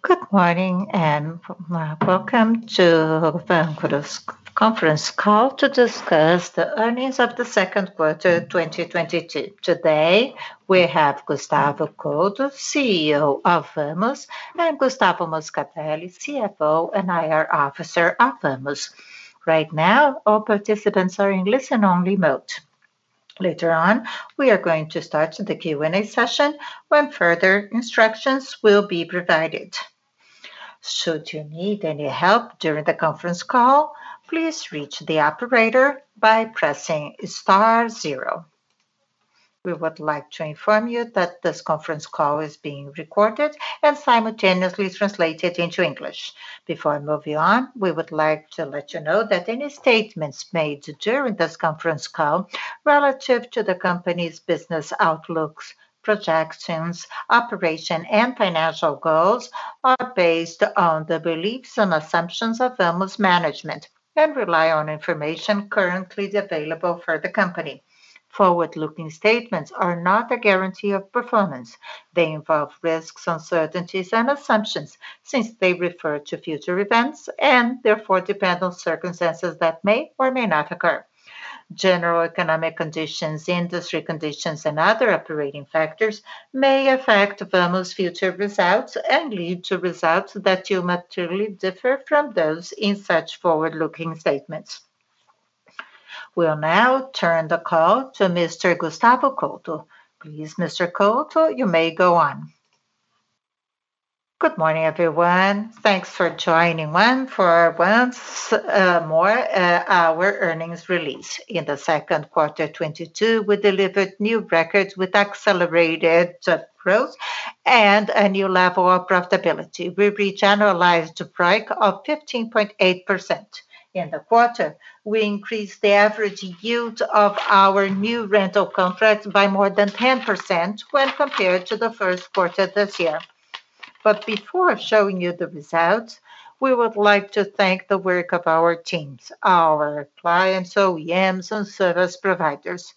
Good morning and welcome to the Vamos conference call to discuss the earnings of the Q2 2022. Today, we have Gustavo Couto, CEO of Vamos, and Gustavo Moscatelli, CFO and IR officer of Vamos. Right now, all participants are in listen-only mode. Later on, we are going to start the Q&A session when further instructions will be provided. Should you need any help during the conference call, please reach the operator by pressing star zero. We would like to inform you that this conference call is being recorded and simultaneously translated into English. Before moving on, we would like to let you know that any statements made during this conference call relative to the company's business outlooks, projections, operation, and financial goals are based on the beliefs and assumptions of Vamos management and rely on information currently available for the company. Forward-looking statements are not a guarantee of performance. They involve risks, uncertainties, and assumptions since they refer to future events and therefore depend on circumstances that may or may not occur. General economic conditions, industry conditions, and other operating factors may affect Vamos future results and lead to results that dramatically differ from those in such forward-looking statements. We'll now turn the call to Mr. Gustavo Couto. Please, Mr. Couto, you may go on. Good morning, everyone. Thanks for joining us once more for our earnings release. In the Q2 2022, we delivered new records with accelerated growth and a new level of profitability. We reach annualized PRAC of 15.8%. In the quarter, we increased the average yield of our new rental contracts by more than 10% when compared to the Q1 this year. Before showing you the results, we would like to thank the work of our teams, our clients, OEMs, and service providers.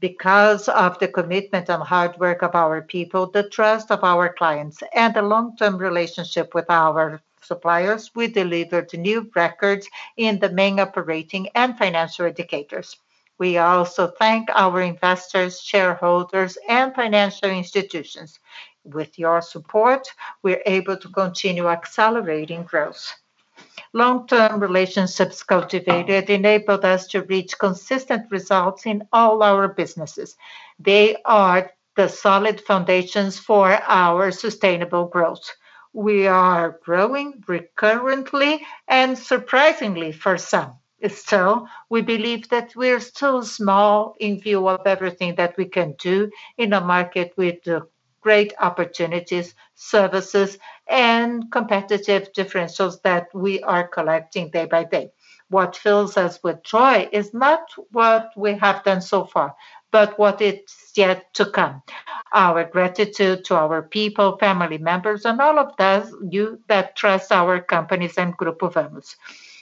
Because of the commitment and hard work of our people, the trust of our clients, and the long-term relationship with our suppliers, we delivered new records in the main operating and financial indicators. We also thank our investors, shareholders, and financial institutions. With your support, we're able to continue accelerating growth. Long-term relationships cultivated enabled us to reach consistent results in all our businesses. They are the solid foundations for our sustainable growth. We are growing recurrently and surprisingly for some. Still, we believe that we're still small in view of everything that we can do in a market with great opportunities, services, and competitive differentials that we are collecting day by day. What fills us with joy is not what we have done so far, but what is yet to come. Our gratitude to our people, family members, and all of those who trust our companies and Grupo Vamos.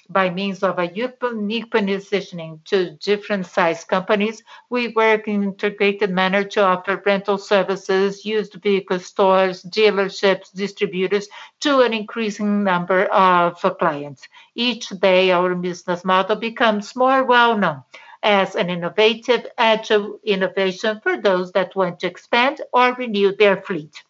By means of a unique positioning to different sized companies, we work in integrated manner to offer rental services, used vehicle stores, dealerships, distributors to an increasing number of clients. Each day, our business model becomes more well-known as an innovative agile innovation for those that want to expand or renew their fleet.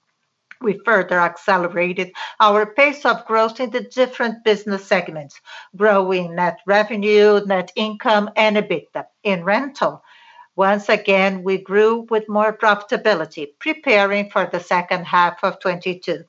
We further accelerated our pace of growth in the different business segments, growing net revenue, net income, and EBITDA. In rental, once again, we grew with more profitability, preparing for the H1 of 2022.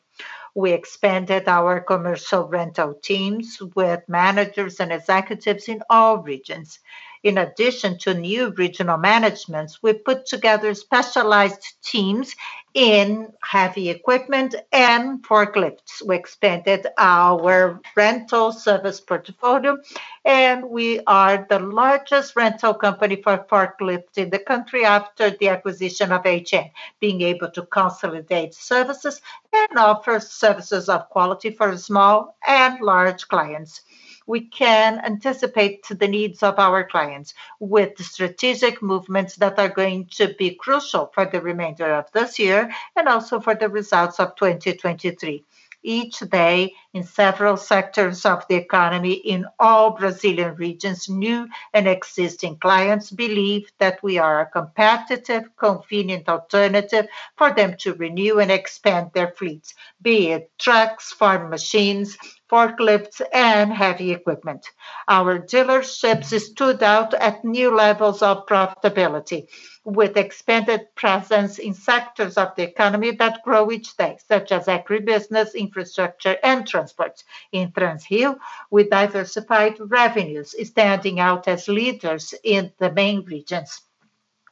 We expanded our commercial rental teams with managers and executives in all regions. In addition to new regional managements, we put together specialized teams in heavy equipment and forklifts. We expanded our rental service portfolio, and we are the largest rental company for forklifts in the country after the acquisition of HM, being able to consolidate services and offer services of quality for small and large clients. We can anticipate the needs of our clients with strategic movements that are going to be crucial for the remainder of this year and also for the results of 2023. Each day, in several sectors of the economy in all Brazilian regions, new and existing clients believe that we are a competitive, convenient alternative for them to renew and expand their fleets. Be it trucks, farm machines, forklifts, and heavy equipment. Our dealerships stood out at new levels of profitability with expanded presence in sectors of the economy that grow each day, such as agribusiness, infrastructure, and transports. In Transrio, we diversified revenues, standing out as leaders in the main regions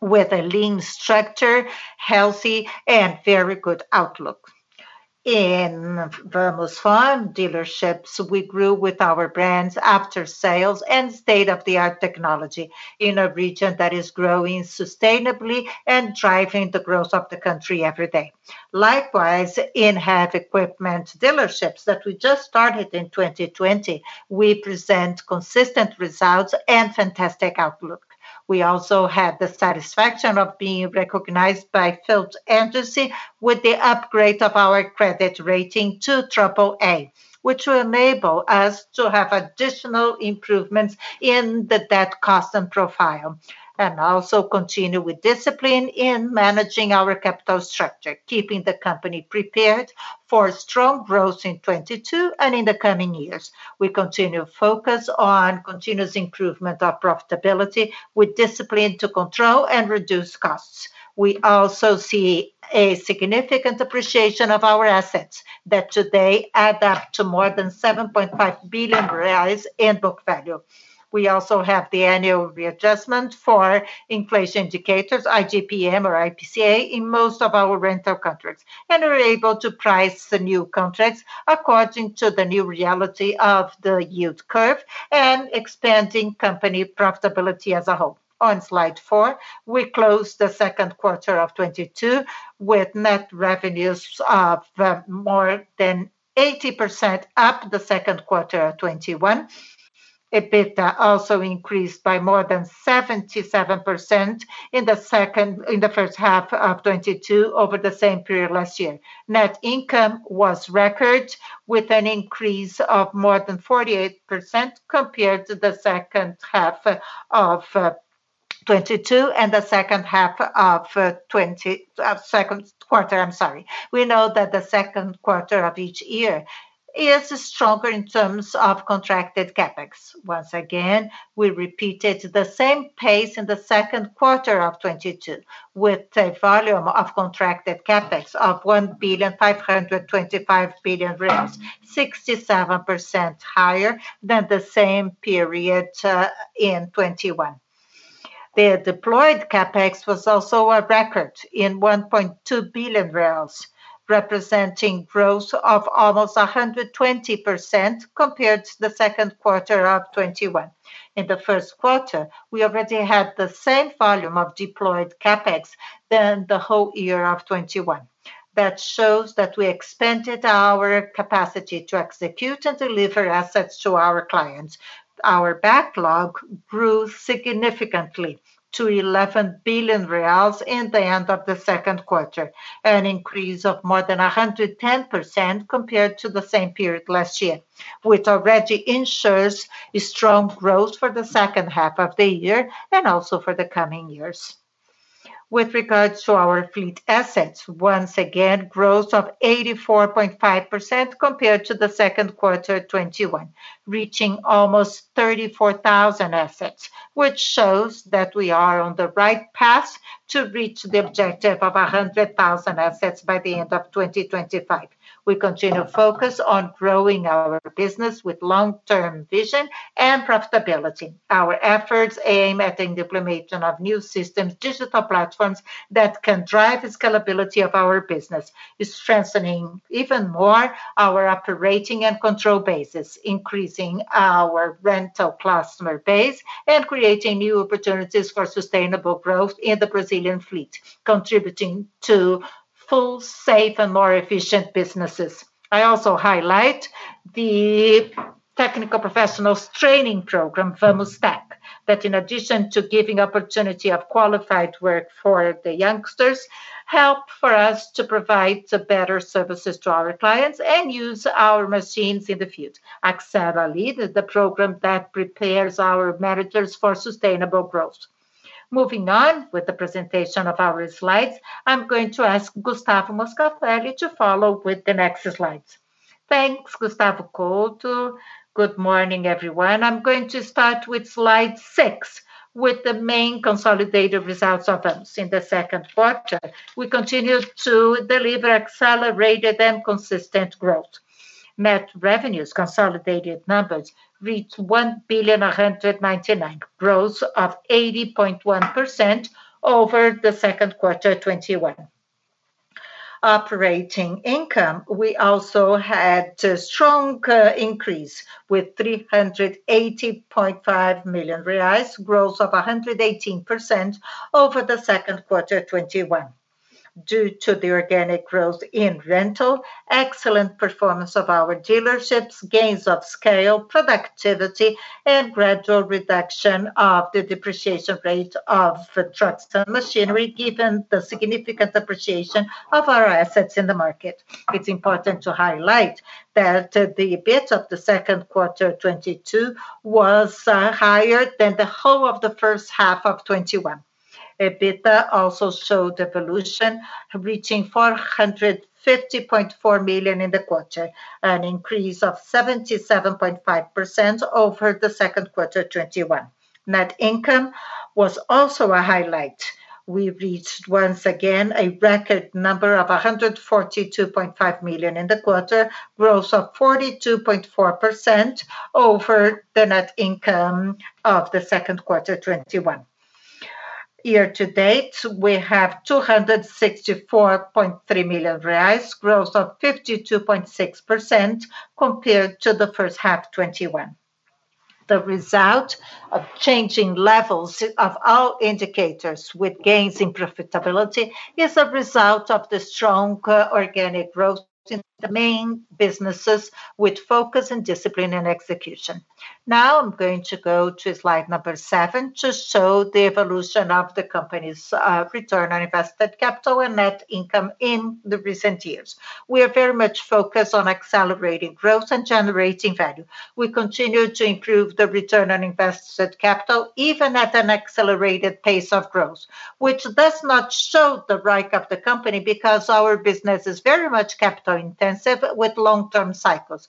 with a lean structure, healthy, and very good outlook. In Vamos Agro dealerships, we grew with our brands after sales and state-of-the-art technology in a region that is growing sustainably and driving the growth of the country every day. Likewise, in heavy equipment dealerships that we just started in 2020, we present consistent results and fantastic outlook. We also had the satisfaction of being recognized by Fitch Ratings with the upgrade of our credit rating to AAA, which will enable us to have additional improvements in the debt cost and profile. also continue with discipline in managing our capital structure, keeping the company prepared for strong growth in 2022 and in the coming years. We continue to focus on continuous improvement of profitability with discipline to control and reduce costs. We also see a significant appreciation of our assets that today add up to more than 7.5 billion reais in book value. We also have the annual readjustment for inflation indicators, IGPM or IPCA, in most of our rental contracts, and are able to price the new contracts according to the new reality of the yield curve and expanding company profitability as a whole. On slide four, we closed the Q2 of 2022 with net revenues of more than 80% up the Q2 of 2021. EBITDA also increased by more than 77% in the second. In the H1 of 2022 over the same period last year. Net income was record, with an increase of more than 48% compared to the H1 of 2022 and the Q2, I'm sorry. We know that the Q2 of each year is stronger in terms of contracted CapEx. Once again, we repeated the same pace in the Q2 of 2022, with a volume of contracted CapEx of 1.525 billion, 67% higher than the same period in 2021. The deployed CapEx was also a record in 1.2 billion, representing growth of almost 100% compared to the Q2 of 2021. In the Q1, we already had the same volume of deployed CapEx than the whole year of 2021. That shows that we expanded our capacity to execute and deliver assets to our clients. Our backlog grew significantly to 11 billion reais in the end of the Q2, an increase of more than 110% compared to the same period last year, which already ensures a strong growth for the H1 of the year and also for the coming years. With regards to our fleet assets, once again, growth of 84.5% compared to the Q2 2021, reaching almost 34,000 assets, which shows that we are on the right path to reach the objective of 100,000 assets by the end of 2025. We continue to focus on growing our business with long-term vision and profitability. Our efforts aim at the deployment of new systems, digital platforms that can drive the scalability of our business. It's strengthening even more our operating and control bases, increasing our rental customer base, and creating new opportunities for sustainable growth in the Brazilian fleet, contributing to full, safe, and more efficient businesses. I also highlight the technical professionals training program, Vamos TEC, that in addition to giving opportunity of qualified work for the youngsters, help for us to provide better services to our clients and use our machines in the field. Acelera Líder is the program that prepares our managers for sustainable growth. Moving on with the presentation of our slides, I'm going to ask Gustavo Moscatelli to follow with the next slides. Thanks, Gustavo Couto. Good morning, everyone. I'm going to start with slide six, with the main consolidated results of Vamos. In the Q2, we continued to deliver accelerated and consistent growth. Net revenues, consolidated numbers, reached 1,199 million, growth of 80.1% over the Q2 2021. Operating income, we also had a strong increase with 380.5 million reais, growth of 118% over the Q2 2021. Due to the organic growth in rental, excellent performance of our dealerships, gains of scale, productivity, and gradual reduction of the depreciation rate of the trucks and machinery, given the significant appreciation of our assets in the market. It's important to highlight that the EBITDA of the Q2 2022 was higher than the whole of the H1 of 2021. EBITDA also showed evolution, reaching 450.4 million in the quarter, an increase of 77.5% over the Q2 2021. Net income was also a highlight. We reached, once again, a record number of 142.5 million in the quarter, growth of 42.4% over the net income of the Q2 2021. Year to date, we have 264.3 million reais, growth of 52.6% compared to the H1 2021. The result of changing levels of our indicators with gains in profitability is a result of the strong organic growth in the main businesses with focus and discipline and execution. Now I'm going to go to slide number seven to show the evolution of the company's return on invested capital and net income in the recent years. We are very much focused on accelerating growth and generating value. We continue to improve the return on invested capital, even at an accelerated pace of growth, which does not show the ROIC of the company because our business is very much capital-intensive with long-term cycles.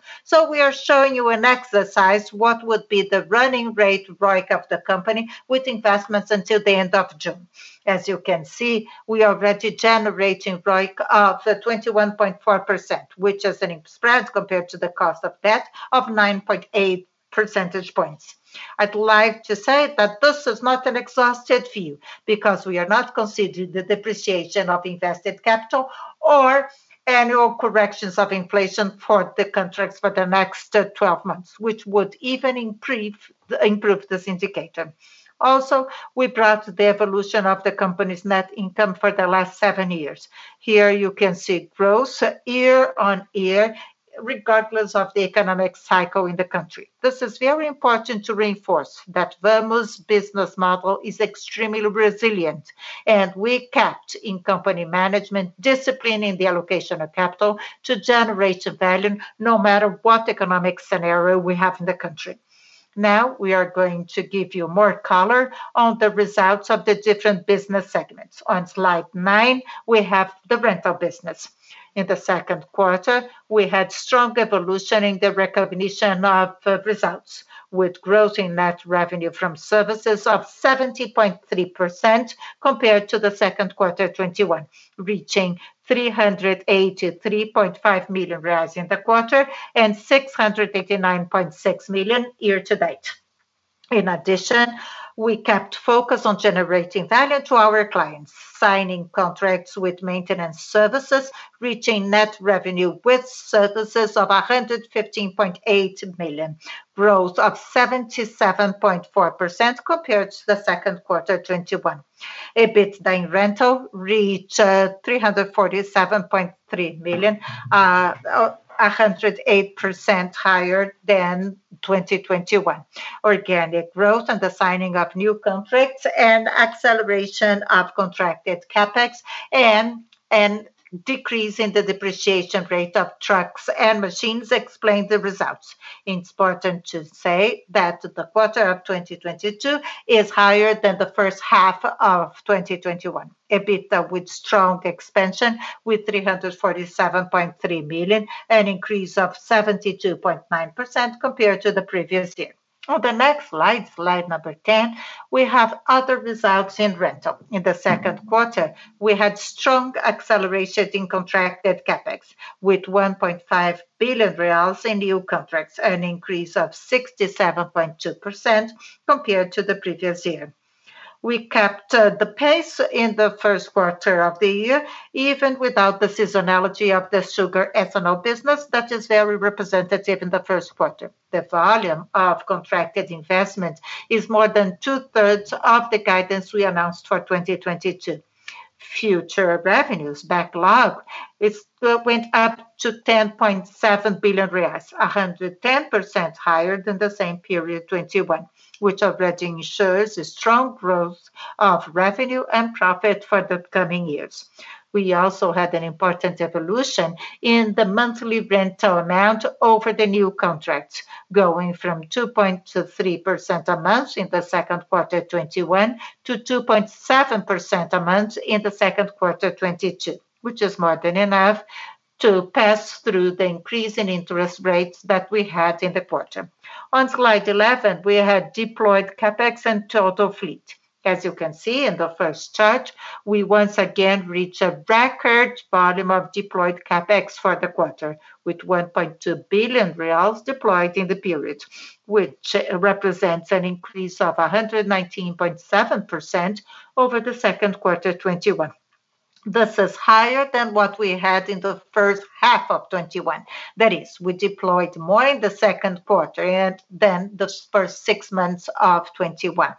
We are showing you an exercise, what would be the run-rate ROIC of the company with investments until the end of June. As you can see, we are already generating ROIC of 21.4%, which is a spread compared to the cost of debt of 9.8 percentage points. I'd like to say that this is not an exhaustive view because we are not considering the depreciation of invested capital or annual corrections of inflation for the contracts for the next 12 months, which would even improve this indicator. Also, we brought the evolution of the company's net income for the last seven years. Here you can see growth year on year regardless of the economic cycle in the country. This is very important to reinforce that Vamos business model is extremely resilient, and we kept in company management discipline in the allocation of capital to generate value no matter what economic scenario we have in the country. Now, we are going to give you more color on the results of the different business segments. On slide nine, we have the rental business. In the Q2, we had strong evolution in the recognition of results with growth in net revenue from services of 70.3% compared to the Q2 2021, reaching 383.5 million reais in the quarter and 689.6 million year to date. In addition, we kept focus on generating value to our clients, signing contracts with maintenance services, reaching net revenue with services of 115.8 million, growth of 77.4% compared to the Q2 2021. EBITDA in rental reached 347.3 million, 108% higher than 2021. Organic growth and the signing of new contracts and acceleration of contracted CapEx and decrease in the depreciation rate of trucks and machines explain the results. It's important to say that the quarter of 2022 is higher than the H1 of 2021. EBITDA with strong expansion with 347.3 million, an increase of 72.9% compared to the previous year. On the next slide number 10, we have other results in rental. In the Q2, we had strong acceleration in contracted CapEx with 1.5 billion reais in new contracts, an increase of 67.2% compared to the previous year. We kept the pace in the Q1 of the year, even without the seasonality of the sugar ethanol business that is very representative in the Q1. The volume of contracted investment is more than two-thirds of the guidance we announced for 2022. Future revenues backlog went up to 10.7 billion reais, 110% higher than the same period 2021, which already ensures a strong growth of revenue and profit for the coming years. We also had an important evolution in the monthly rental amount over the new contracts, going from 2.23% a month in the Q2 2021 to 2.7% a month in the Q2 2022, which is more than enough to pass through the increase in interest rates that we had in the quarter. On slide 11, we have deployed CapEx and total fleet. As you can see in the first chart, we once again reach a record volume of deployed CapEx for the quarter, with 1.2 billion reais deployed in the period, which represents an increase of 119.7% over the Q2 2021. This is higher than what we had in the H1 of 2021. That is, we deployed more in the Q2 than the first six months of 2021.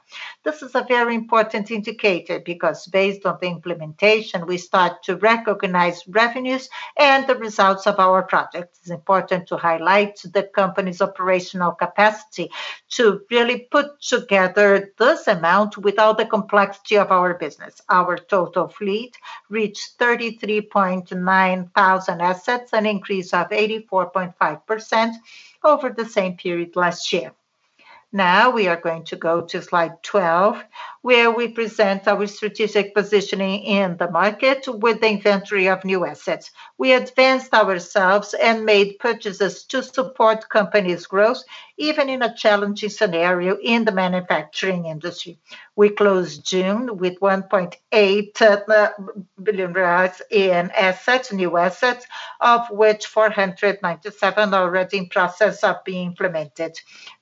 This is a very important indicator because based on the implementation, we start to recognize revenues and the results of our projects. It's important to highlight the company's operational capacity to really put together this amount without the complexity of our business. Our total fleet reached 33.9 thousand assets, an increase of 84.5% over the same period last year. Now we are going to go to slide 12, where we present our strategic positioning in the market with the inventory of new assets. We advanced ourselves and made purchases to support company's growth, even in a challenging scenario in the manufacturing industry. We closed June with 1.8 billion reais in assets, new assets, of which 497 are already in process of being implemented.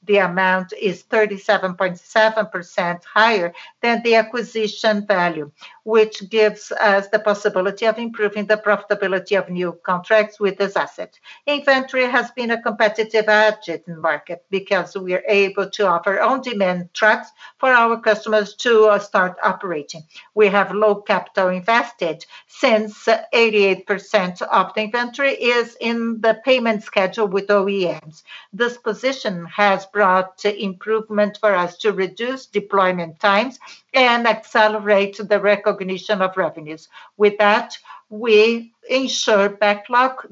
The amount is 37.7% higher than the acquisition value, which gives us the possibility of improving the profitability of new contracts with this asset. Inventory has been a competitive advantage in the market because we are able to offer on-demand trucks for our customers to start operating. We have low capital invested since 88% of the inventory is in the payment schedule with OEMs. This position has brought improvement for us to reduce deployment times and accelerate the recognition of revenues. With that, we ensure backlog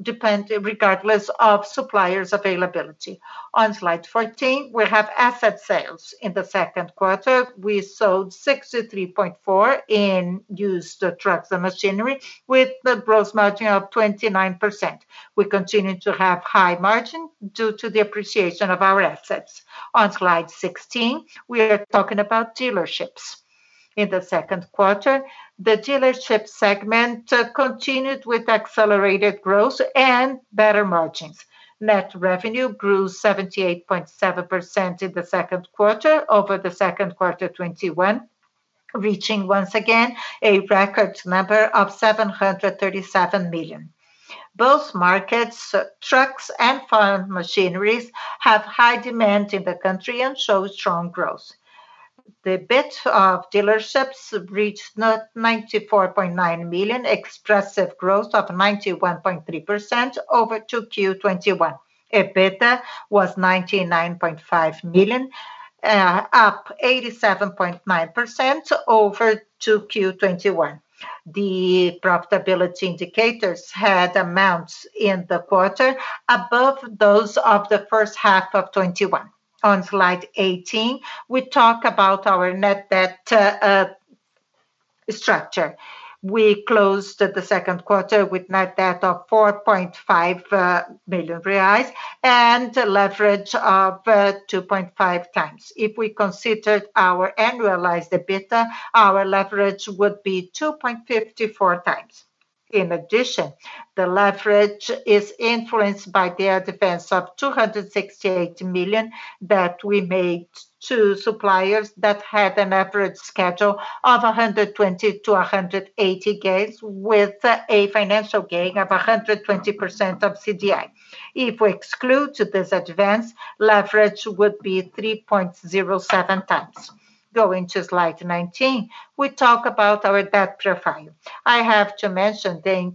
regardless of suppliers availability. On slide 14, we have asset sales. In the Q2, we sold 63.4 in used trucks and machinery with the gross margin of 29%. We continue to have high margin due to the appreciation of our assets. On slide 16, we are talking about dealerships. In the Q2, the dealership segment continued with accelerated growth and better margins. Net revenue grew 78.7% in the Q2 over the Q2 2021, reaching once again a record number of 737 million. Both markets, trucks and farm machineries, have high demand in the country and show strong growth. The EBIT of dealerships reached 94.9 million, expressive growth of 91.3% over 2Q 2021. EBITDA was 99.5 million, up 87.9% over 2Q 2021. The profitability indicators had amounts in the quarter above those of the H1 of 2021. On slide 18, we talk about our net debt structure. We closed the Q2 with net debt of 4.5 billion reais and leverage of 2.5 times. If we considered our annualized EBITDA, our leverage would be 2.54 times. In addition, the leverage is influenced by the advance of 268 million that we made to suppliers that had an average schedule of 120-180 days with a financial gain of 120% of CDI. If we exclude this advance, leverage would be 3.07 times. Going to slide 19, we talk about our debt profile. I have to mention the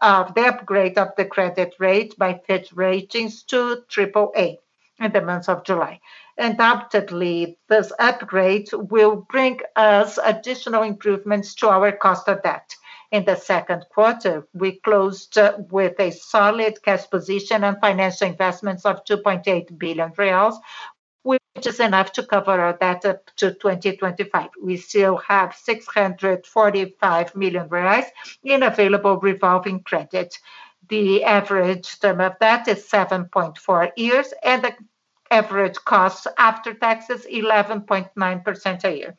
upgrade of the credit rating by Fitch Ratings to AAA in the month of July. Undoubtedly, this upgrade will bring us additional improvements to our cost of debt. In the Q2, we closed with a solid cash position on financial investments of 2.8 billion reais, which is enough to cover our debt up to 2025. We still have 645 million reais in available revolving credit. The average term of that is 7.4 years and the average cost after taxes 11.9% a year.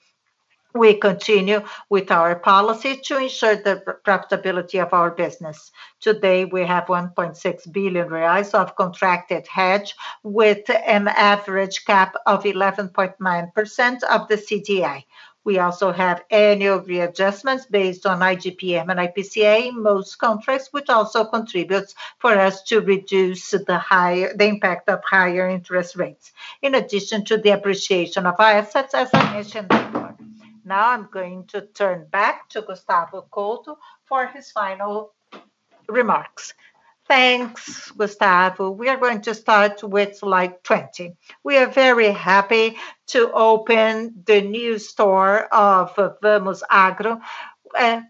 We continue with our policy to ensure the profitability of our business. Today, we have 1.6 billion reais of contracted hedge with an average cap of 11.9% of the CDI. We also have annual readjustments based on IGPM and IPCA in most contracts, which also contributes for us to reduce the impact of higher interest rates, in addition to the appreciation of our assets, as I mentioned before. Now I'm going to turn back to Gustavo Couto for his final remarks. Thanks, Gustavo. We are going to start with slide 20. We are very happy to open the new store of Vamos Agro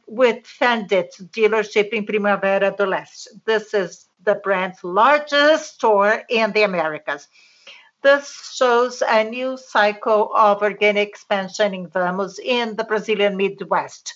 with Fendt dealership in Primavera do Leste. This is the brand's largest store in the Americas. This shows a new cycle of organic expansion in Vamos in the Brazilian Midwest,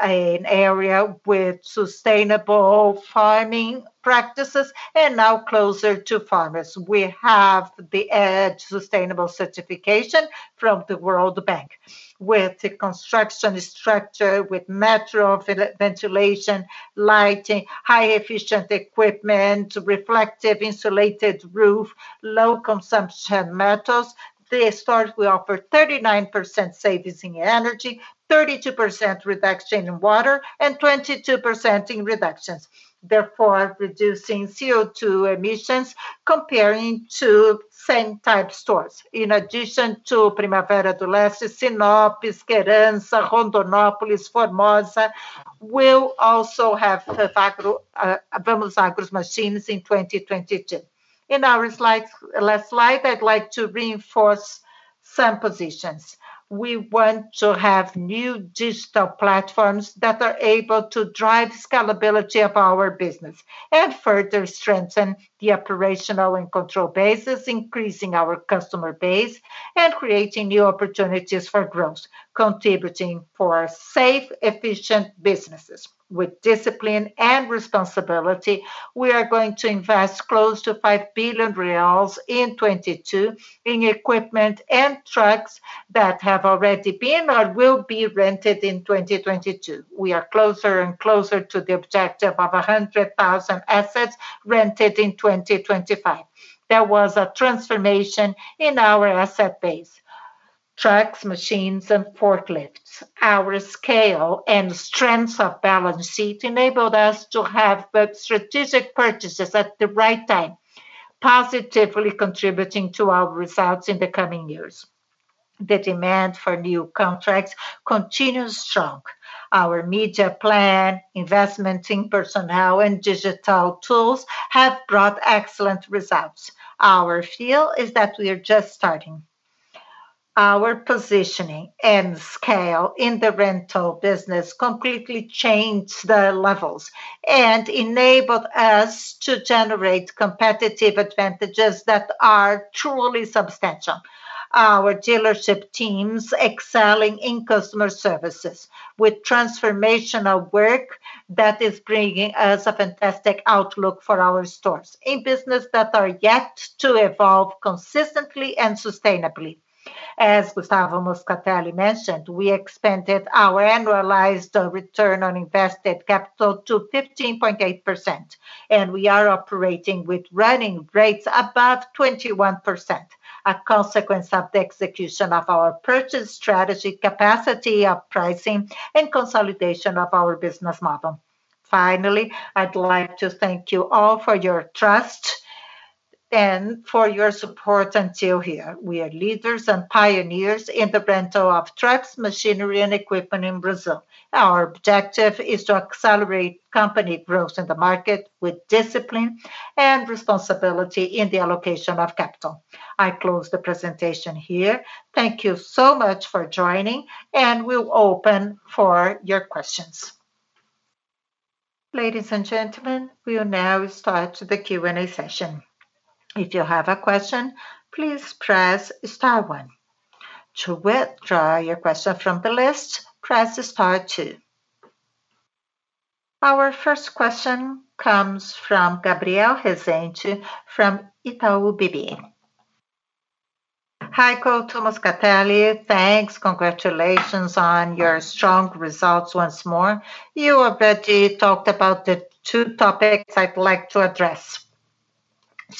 an area with sustainable farming practices and now closer to farmers. We have the EDGE Sustainable Certification from the World Bank. With the construction structure, with natural ventilation, lighting, highly efficient equipment, reflective insulated roof, low consumption metals, the stores will offer 39% savings in energy, 32% reduction in water, and 22% in reductions, therefore reducing CO2 emissions comparing to same type stores. In addition to Primavera do Leste, Sinop, Querência, Rondonópolis, Formosa will also have Vamos Agro's machines in 2022. In our last slide, I'd like to reinforce some positions. We want to have new digital platforms that are able to drive scalability of our business and further strengthen the operational and control bases, increasing our customer base and creating new opportunities for growth, contributing for safe, efficient businesses. With discipline and responsibility, we are going to invest close to 5 billion reais in 2022 in equipment and trucks that have already been or will be rented in 2022. We are closer and closer to the objective of 100,000 assets rented in 2025. There was a transformation in our asset base, trucks, machines, and forklifts. Our scale and strength of balance sheet enabled us to have the strategic purchases at the right time, positively contributing to our results in the coming years. The demand for new contracts continues strong. Our media plan, investment in personnel and digital tools have brought excellent results. Our feel is that we are just starting. Our positioning and scale in the rental business completely changed the levels and enabled us to generate competitive advantages that are truly substantial. Our dealership teams excelling in customer services with transformational work that is bringing us a fantastic outlook for our stores in business that are yet to evolve consistently and sustainably. As Gustavo Moscatelli mentioned, we expanded our annualized return on invested capital to 15.8%, and we are operating with running rates above 21%, a consequence of the execution of our purchase strategy, capacity of pricing, and consolidation of our business model. Finally, I'd like to thank you all for your trust and for your support until here. We are leaders and pioneers in the rental of trucks, machinery, and equipment in Brazil. Our objective is to accelerate company growth in the market with discipline and responsibility in the allocation of capital. I close the presentation here. Thank you so much for joining, and we'll open for your questions. Ladies and gentlemen, we will now start the Q&A session. If you have a question, please press star one. To withdraw your question from the list, press star two. Our first question comes from Gabriel Rezende from Itaú BBA. Hi, Couto, Moscatelli. Thanks. Congratulations on your strong results once more. You already talked about the two topics I'd like to address.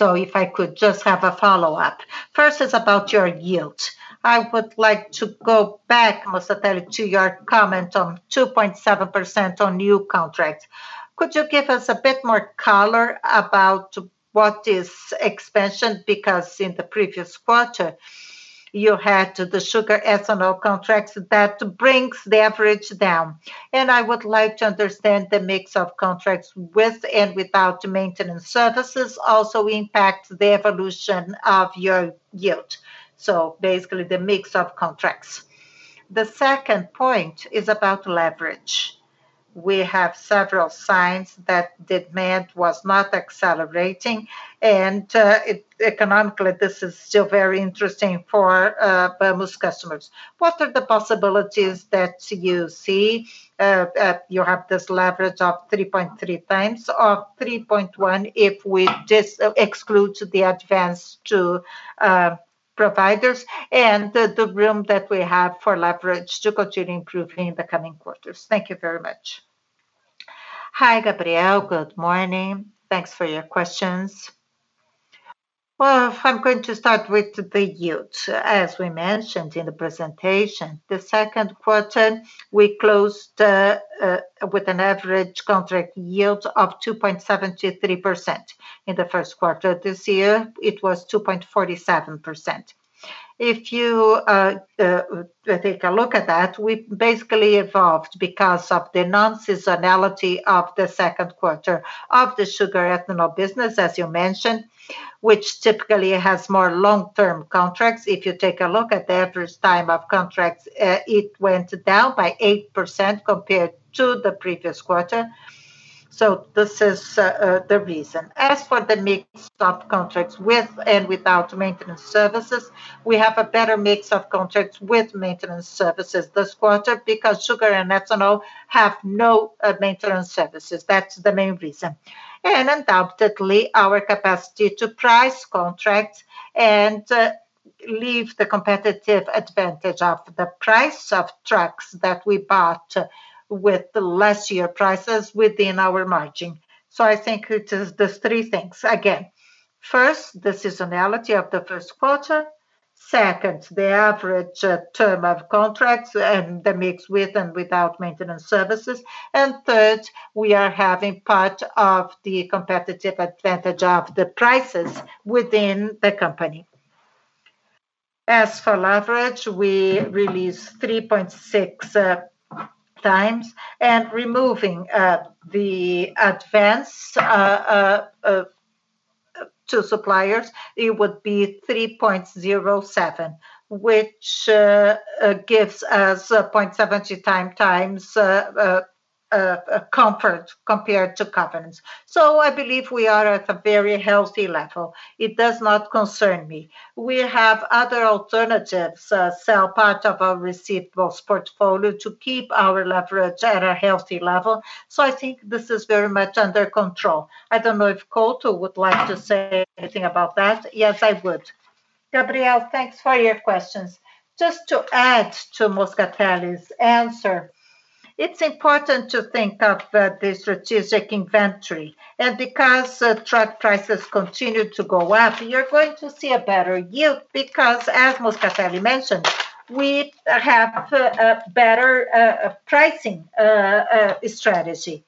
If I could just have a follow-up. First is about your yield. I would like to go back, Moscatelli, to your comment on 2.7% on new contracts. Could you give us a bit more color about what is expansion? Because in the previous quarter, you had the sugar ethanol contracts that brings the average down. I would like to understand the mix of contracts with and without maintenance services also impact the evolution of your yield. Basically, the mix of contracts. The second point is about leverage. We have several signs that demand was not accelerating, and, economically, this is still very interesting for most customers. What are the possibilities that you see? You have this leverage of 3.3 times or 3.1 if we just exclude the advance to providers and the room that we have for leverage to continue improving in the coming quarters. Thank you very much. Hi, Gabriel. Good morning. Thanks for your questions. Well, if I'm going to start with the yield. As we mentioned in the presentation, the Q2 we closed with an average contract yield of 2.73%. In the Q1 this year, it was 2.47%. If you take a look at that, we basically evolved because of the non-seasonality of the Q2 of the sugar ethanol business, as you mentioned, which typically has more long-term contracts. If you take a look at the average time of contracts, it went down by 8% compared to the previous quarter. This is the reason. As for the mix of contracts with and without maintenance services, we have a better mix of contracts with maintenance services this quarter because sugar and ethanol have no maintenance services. That's the main reason. Undoubtedly, our capacity to price contracts and leave the competitive advantage of the price of trucks that we bought with last year prices within our margin. I think it is these three things. Again, first, the seasonality of the Q1. Second, the average term of contracts and the mix with and without maintenance services. Third, we are having part of the competitive advantage of the prices within the company. As for leverage, we released 3.6x. Removing the advance to suppliers, it would be 3.07, which gives us a 0.70 times comfort compared to covenants. I believe we are at a very healthy level. It does not concern me. We have other alternatives, sell part of our receivables portfolio to keep our leverage at a healthy level. I think this is very much under control. I don't know if Couto would like to say anything about that. Yes, I would. Gabriel, thanks for your questions. Just to add to Moscatelli's answer, it's important to think of the strategic inventory. Because truck prices continue to go up, you're going to see a better yield because as Moscatelli mentioned, we have a better pricing strategy.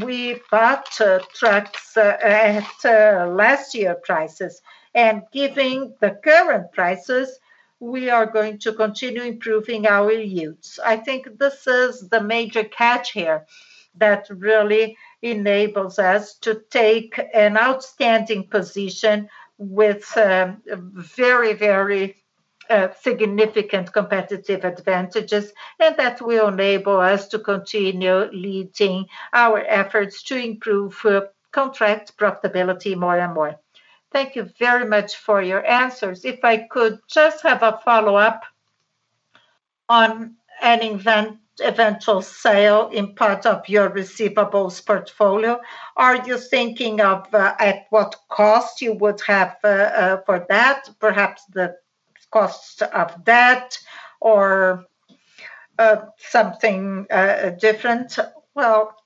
We bought trucks at last year prices, and given the current prices, we are going to continue improving our yields. I think this is the major catch here that really enables us to take an outstanding position with very significant competitive advantages, and that will enable us to continue leading our efforts to improve contract profitability more and more. Thank you very much for your answers. If I could just have a follow-up on an eventual sale in part of your receivable's portfolio. Are you thinking of at what cost you would have for that? Perhaps the cost of debt or something different? Well,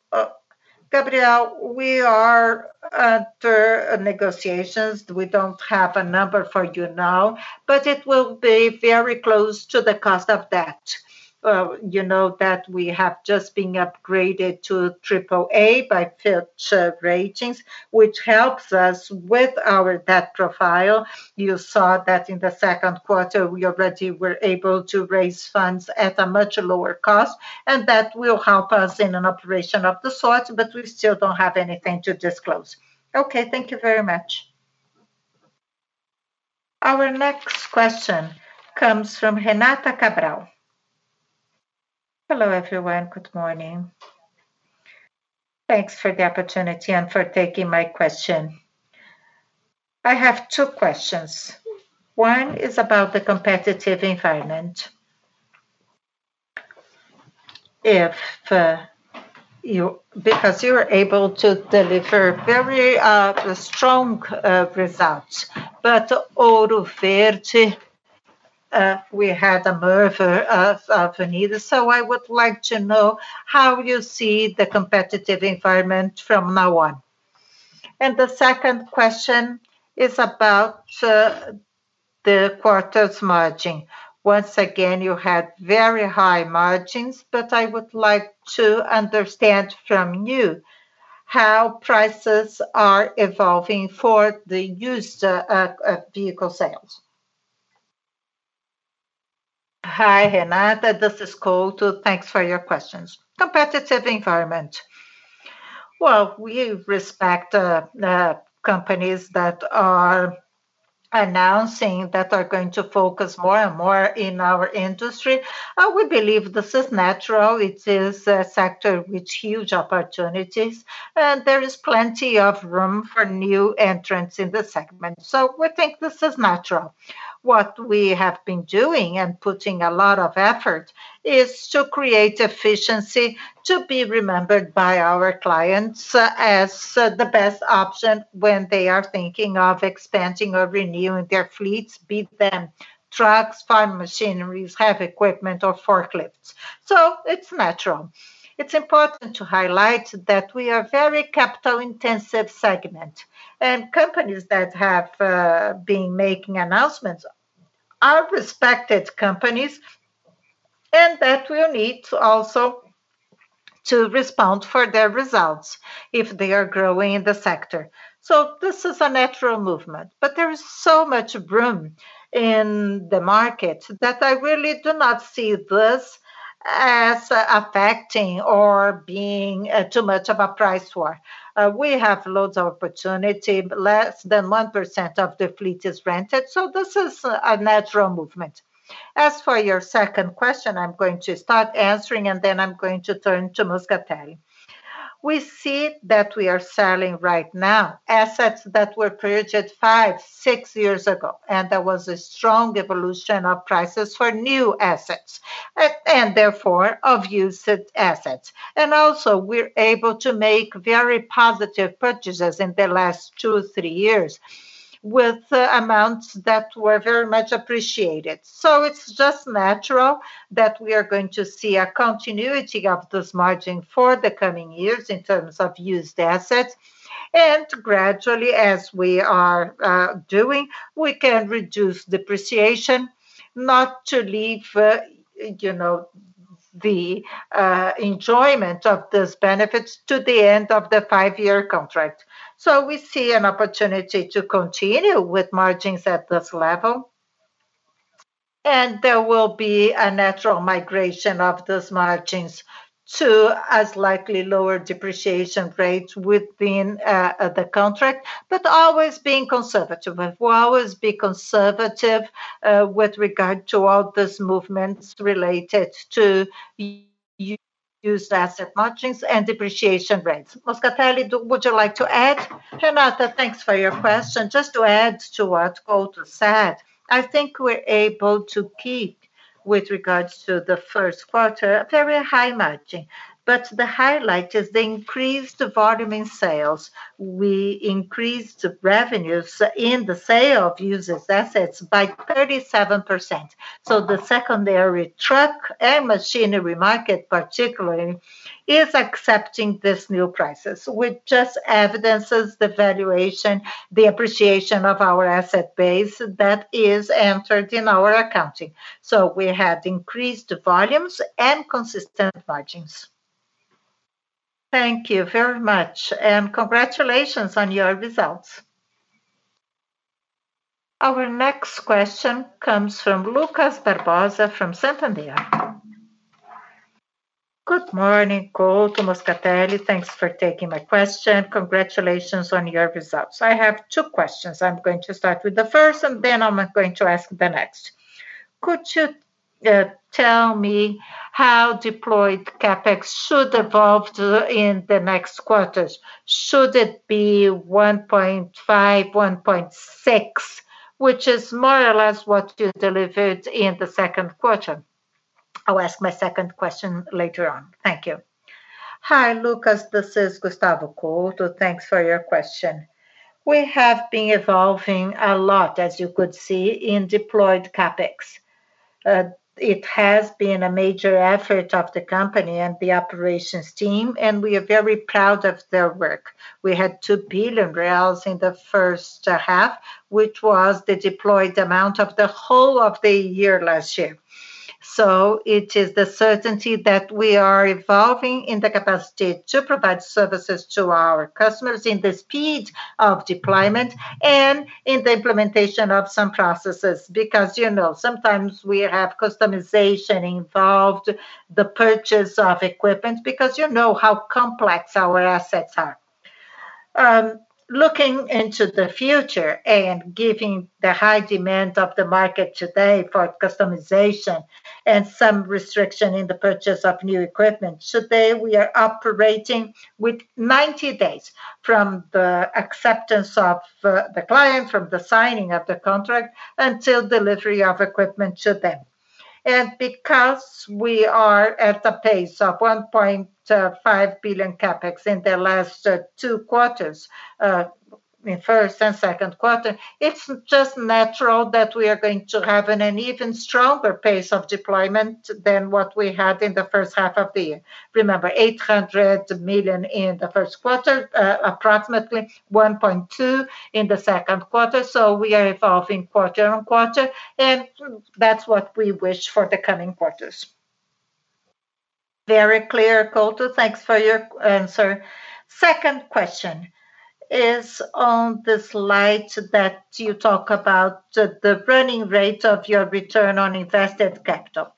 Gabriel, we are under negotiations. We don't have a number for you now, but it will be very close to the cost of debt. You know that we have just been upgraded to triple A by Fitch Ratings, which helps us with our debt profile. You saw that in the Q2, we already were able to raise funds at a much lower cost, and that will help us in an operation of the sort, but we still don't have anything to disclose. Okay, thank you very much. Our next question comes from Renata Cabral. Hello, everyone. Good morning. Thanks for the opportunity and for taking my question. I have two questions. One is about the competitive environment. Because you were able to deliver very strong results. Ouro Verde, we had a merger of Unidas, so I would like to know how you see the competitive environment from now on. The second question is about the quarter's margin. Once again, you had very high margins, but I would like to understand from you how prices are evolving for the used vehicle sales. Hi, Renata. This is Couto. Thanks for your questions. Competitive environment. Well, we respect companies that are announcing that are going to focus more and more in our industry. We believe this is natural. It is a sector with huge opportunities, and there is plenty of room for new entrants in this segment. We think this is natural. What we have been doing and putting a lot of effort is to create efficiency to be remembered by our clients as the best option when they are thinking of expanding or renewing their fleets, be them trucks, farm machineries, heavy equipment or forklifts. It's natural. It's important to highlight that we are very capital-intensive segment, and companies that have been making announcements are respected companies and that will need to also to respond for their results if they are growing in the sector. This is a natural movement, but there is so much room in the market that I really do not see this as affecting or being too much of a price war. We have loads of opportunity. Less than 1% of the fleet is rented. This is a natural movement. As for your second question, I'm going to start answering, and then I'm going to turn to Moscatelli. We see that we are selling right now assets that were purchased five, six years ago, and there was a strong evolution of prices for new assets and therefore of used assets. Also, we're able to make very positive purchases in the last two, three years with amounts that were very much appreciated. It's just natural that we are going to see a continuity of this margin for the coming years in terms of used assets. Gradually, as we are doing, we can reduce depreciation, not to leave you know the enjoyment of these benefits to the end of the five-year contract. We see an opportunity to continue with margins at this level, and there will be a natural migration of those margins to as likely lower depreciation rates within the contract, but always being conservative. We'll always be conservative with regard to all these movements related to used asset margins and depreciation rates. Moscatelli, would you like to add? Renata, thanks for your question. Just to add to what Couto said, I think we're able to keep, with regards to the Q1, a very high margin. The highlight is the increased volume in sales. We increased revenues in the sale of used assets by 37%. The secondary truck and machinery market particularly is accepting these new prices, which just evidences the valuation, the appreciation of our asset base that is entered in our accounting. We have increased volumes and consistent margins. Thank you very much, and congratulations on your results. Our next question comes from Lucas Barbosa from Santander. Good morning, Couto, Moscatelli. Thanks for taking my question. Congratulations on your results. I have two questions. I'm going to start with the first, and then I'm going to ask the next. Could you tell me how deployed CapEx should evolve in the next quarters? Should it be 1.5, 1.6, which is more or less what you delivered in the Q2. I'll ask my second question later on. Thank you. Hi, Lucas. This is Gustavo Couto. Thanks for your question. We have been evolving a lot, as you could see, in deployed CapEx. It has been a major effort of the company and the operations team, and we are very proud of their work. We had 2 billion reais in the H1, which was the deployed amount of the whole of the year last year. It is the certainty that we are evolving in the capacity to provide services to our customers in the speed of deployment and in the implementation of some processes. Because, you know, sometimes we have customization involved, the purchase of equipment, because you know how complex our assets are. Looking into the future and given the high demand of the market today for customization and some restrictions in the purchase of new equipment, today we are operating with 90 days from the acceptance of the client, from the signing of the contract until delivery of equipment to them. Because we are at a pace of 1.5 billion CapEx in the last two quarters, in first and Q2, it's just natural that we are going to have an even stronger pace of deployment than what we had in the H1 of the year. Remember, 800 million in the Q1, approximately 1.2 billion in the Q2, so we are evolving quarter-on-quarter, and that's what we wish for the coming quarters. Very clear, Couto. Thanks for your answer. Second question is on the slide that you talk about the burning rate of your return on invested capital.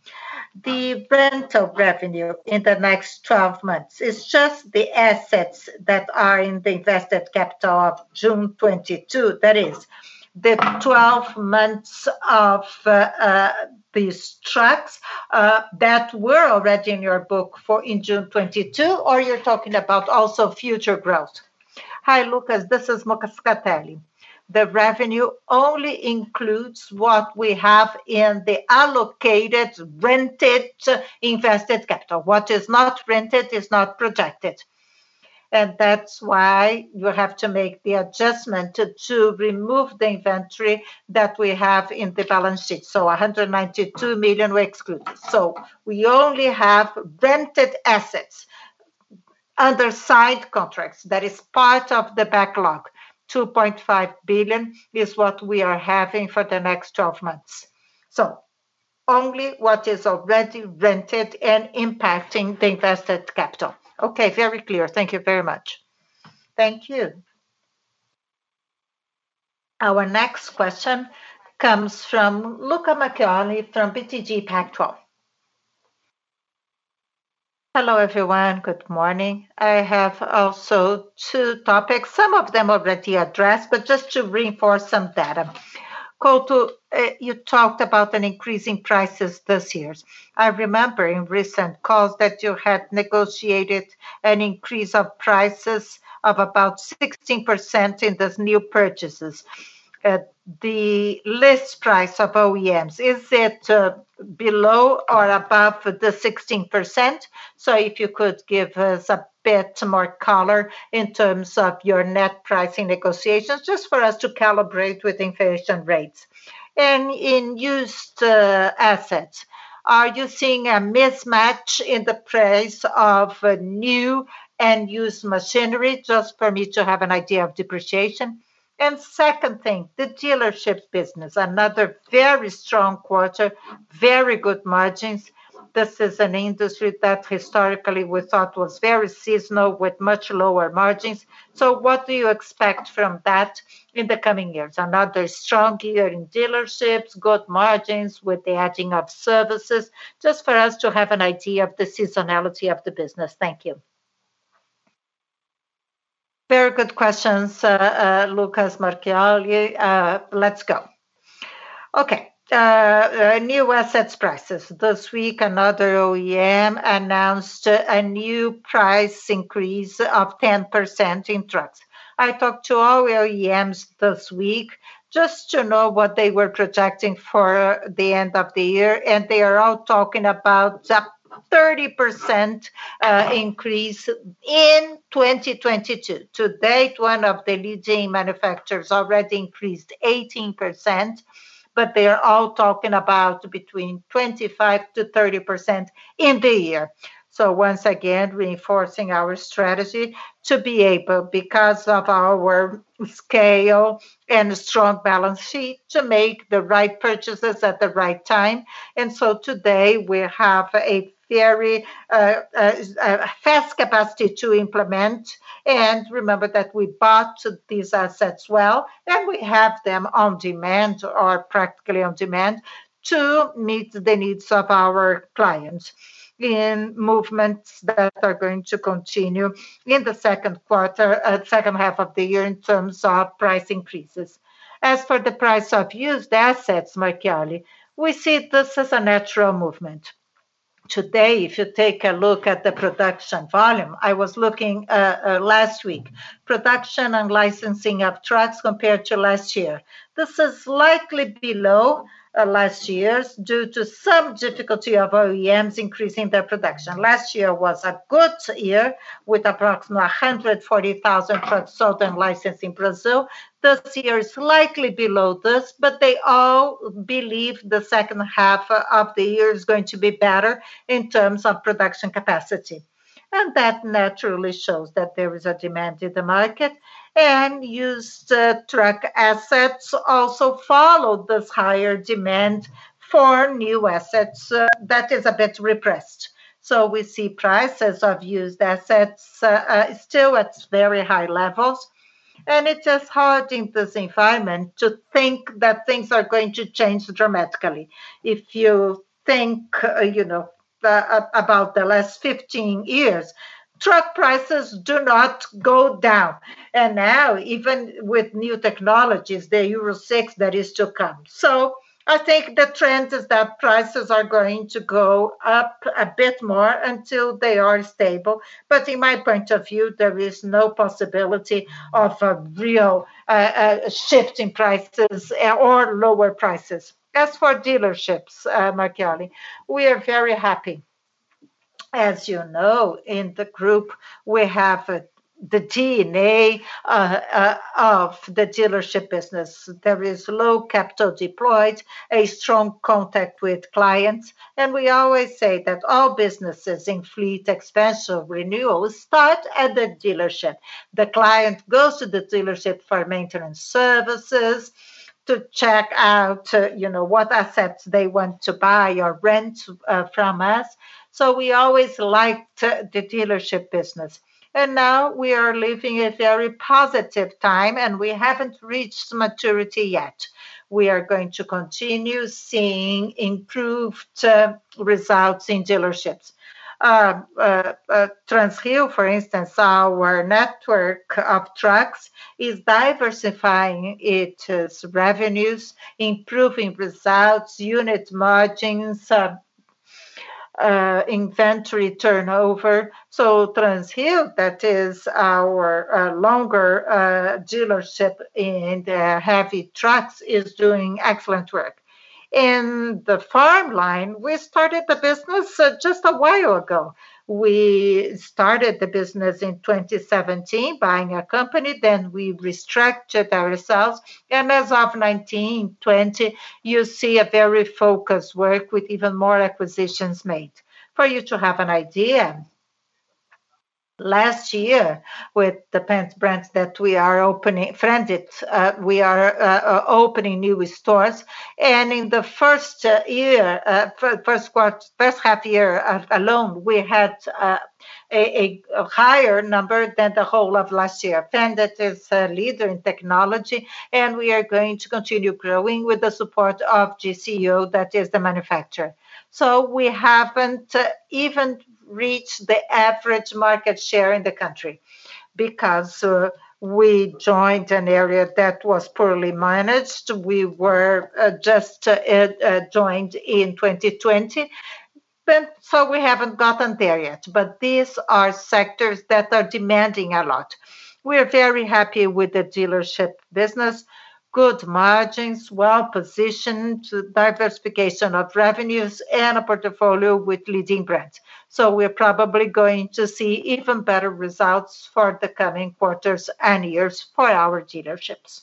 The rental revenue in the next 12 months is just the assets that are in the invested capital of June 2022. That is the twelve months of these trucks that were already in your book for in June 2022, or you're talking about also future growth? Hi, Lucas. This is Moscatelli. The revenue only includes what we have in the allocated rented invested capital. What is not rented is not projected. That's why you have to make the adjustment to remove the inventory that we have in the balance sheet. So, 192 million were excluded. So we only have rented assets undersigned contracts. That is part of the backlog. 2.5 billion is what we are having for the next twelve months. So only what is already rented and impacting the invested capital. Okay. Very clear. Thank you very much. Thank you. Our next question comes from Lucas Marchiori from BTG Pactual. Hello, everyone. Good morning. I have also two topics, some of them already addressed, but just to reinforce some data. Couto, you talked about an increase in prices this year. I remember in recent calls that you had negotiated an increase of prices of about 16% in these new purchases. The list price of OEMs, is it below or above the 16%? So if you could give us a bit more color in terms of your net pricing negotiations, just for us to calibrate with inflation rates. In used assets, are you seeing a mismatch in the price of new and used machinery, just for me to have an idea of depreciation? Second thing, the dealerships business. Another very strong quarter, very good margins. This is an industry that historically we thought was very seasonal with much lower margins. What do you expect from that in the coming years? Another strong year in dealerships, good margins with the adding of services, just for us to have an idea of the seasonality of the business. Thank you. Very good questions, Lucas Marchiori. Let's go. Okay. New asset prices. This week, another OEM announced a new price increase of 10% in trucks. I talked to all OEMs this week just to know what they were projecting for the end of the year, and they are all talking about up 30% increase in 2022. To date, one of the leading manufacturers already increased 18%, but they are all talking about between 25%-30% in the year. Once again, reinforcing our strategy to be able, because of our scale and strong balance sheet, to make the right purchases at the right time. Today we have a very fast capacity to implement. Remember that we bought these assets well, and we have them on demand or practically on demand to meet the needs of our clients in movements that are going to continue in the Q2, H1 of the year in terms of price increases. As for the price of used assets, Marchiori, we see this as a natural movement. Today, if you take a look at the production volume, I was looking last week, production and licensing of trucks compared to last year. This is likely below last year's due to some difficulty of OEMs increasing their production. Last year was a good year with approximately 140,000 trucks sold and licensed in Brazil. This year is likely below this, but they all believe the H1 of the year is going to be better in terms of production capacity. That naturally shows that there is a demand in the market. Used truck assets also follow this higher demand for new assets that is a bit repressed. We see prices of used assets still at very high levels, and it is hard in this environment to think that things are going to change dramatically. If you think, you know, about the last 15 years, truck prices do not go down. Now, even with new technologies, the Euro 6 that is to come. I think the trend is that prices are going to go up a bit more until they are stable. In my point of view, there is no possibility of a real shift in prices or lower prices. As for dealerships, Marchiori, we are very happy. As you know, in the group we have the DNA of the dealership business. There is low capital deployed, a strong contact with clients, and we always say that all businesses in fleet expense of renewals start at the dealership. The client goes to the dealership for maintenance services to check out, you know, what assets they want to buy or rent from us. We always liked the dealership business. Now we are living a very positive time, and we haven't reached maturity yet. We are going to continue seeing improved results in dealerships. Transrio, for instance, our network of trucks is diversifying its revenues, improving results, unit margins, inventory turnover. Transrio, that is our largest dealership in the heavy trucks, is doing excellent work. In the farm line, we started the business just a while ago. We started the business in 2017, buying a company, then we restructured ourselves. As of 2020, you see a very focused work with even more acquisitions made. For you to have an idea, last year with the Fendt brands that we are opening. Fendt, we are opening new stores. In the first year, H1 year alone, we had a higher number than the whole of last year. Fendt is a leader in technology, and we are going to continue growing with the support of AGCO, that is the manufacturer. We haven't even reached the average market share in the country because we joined an area that was poorly managed. We were just joined in 2020. We haven't gotten there yet. These are sectors that are demanding a lot. We are very happy with the dealership business. Good margins, well positioned, diversification of revenues, and a portfolio with leading brands. We're probably going to see even better results for the coming quarters and years for our dealerships.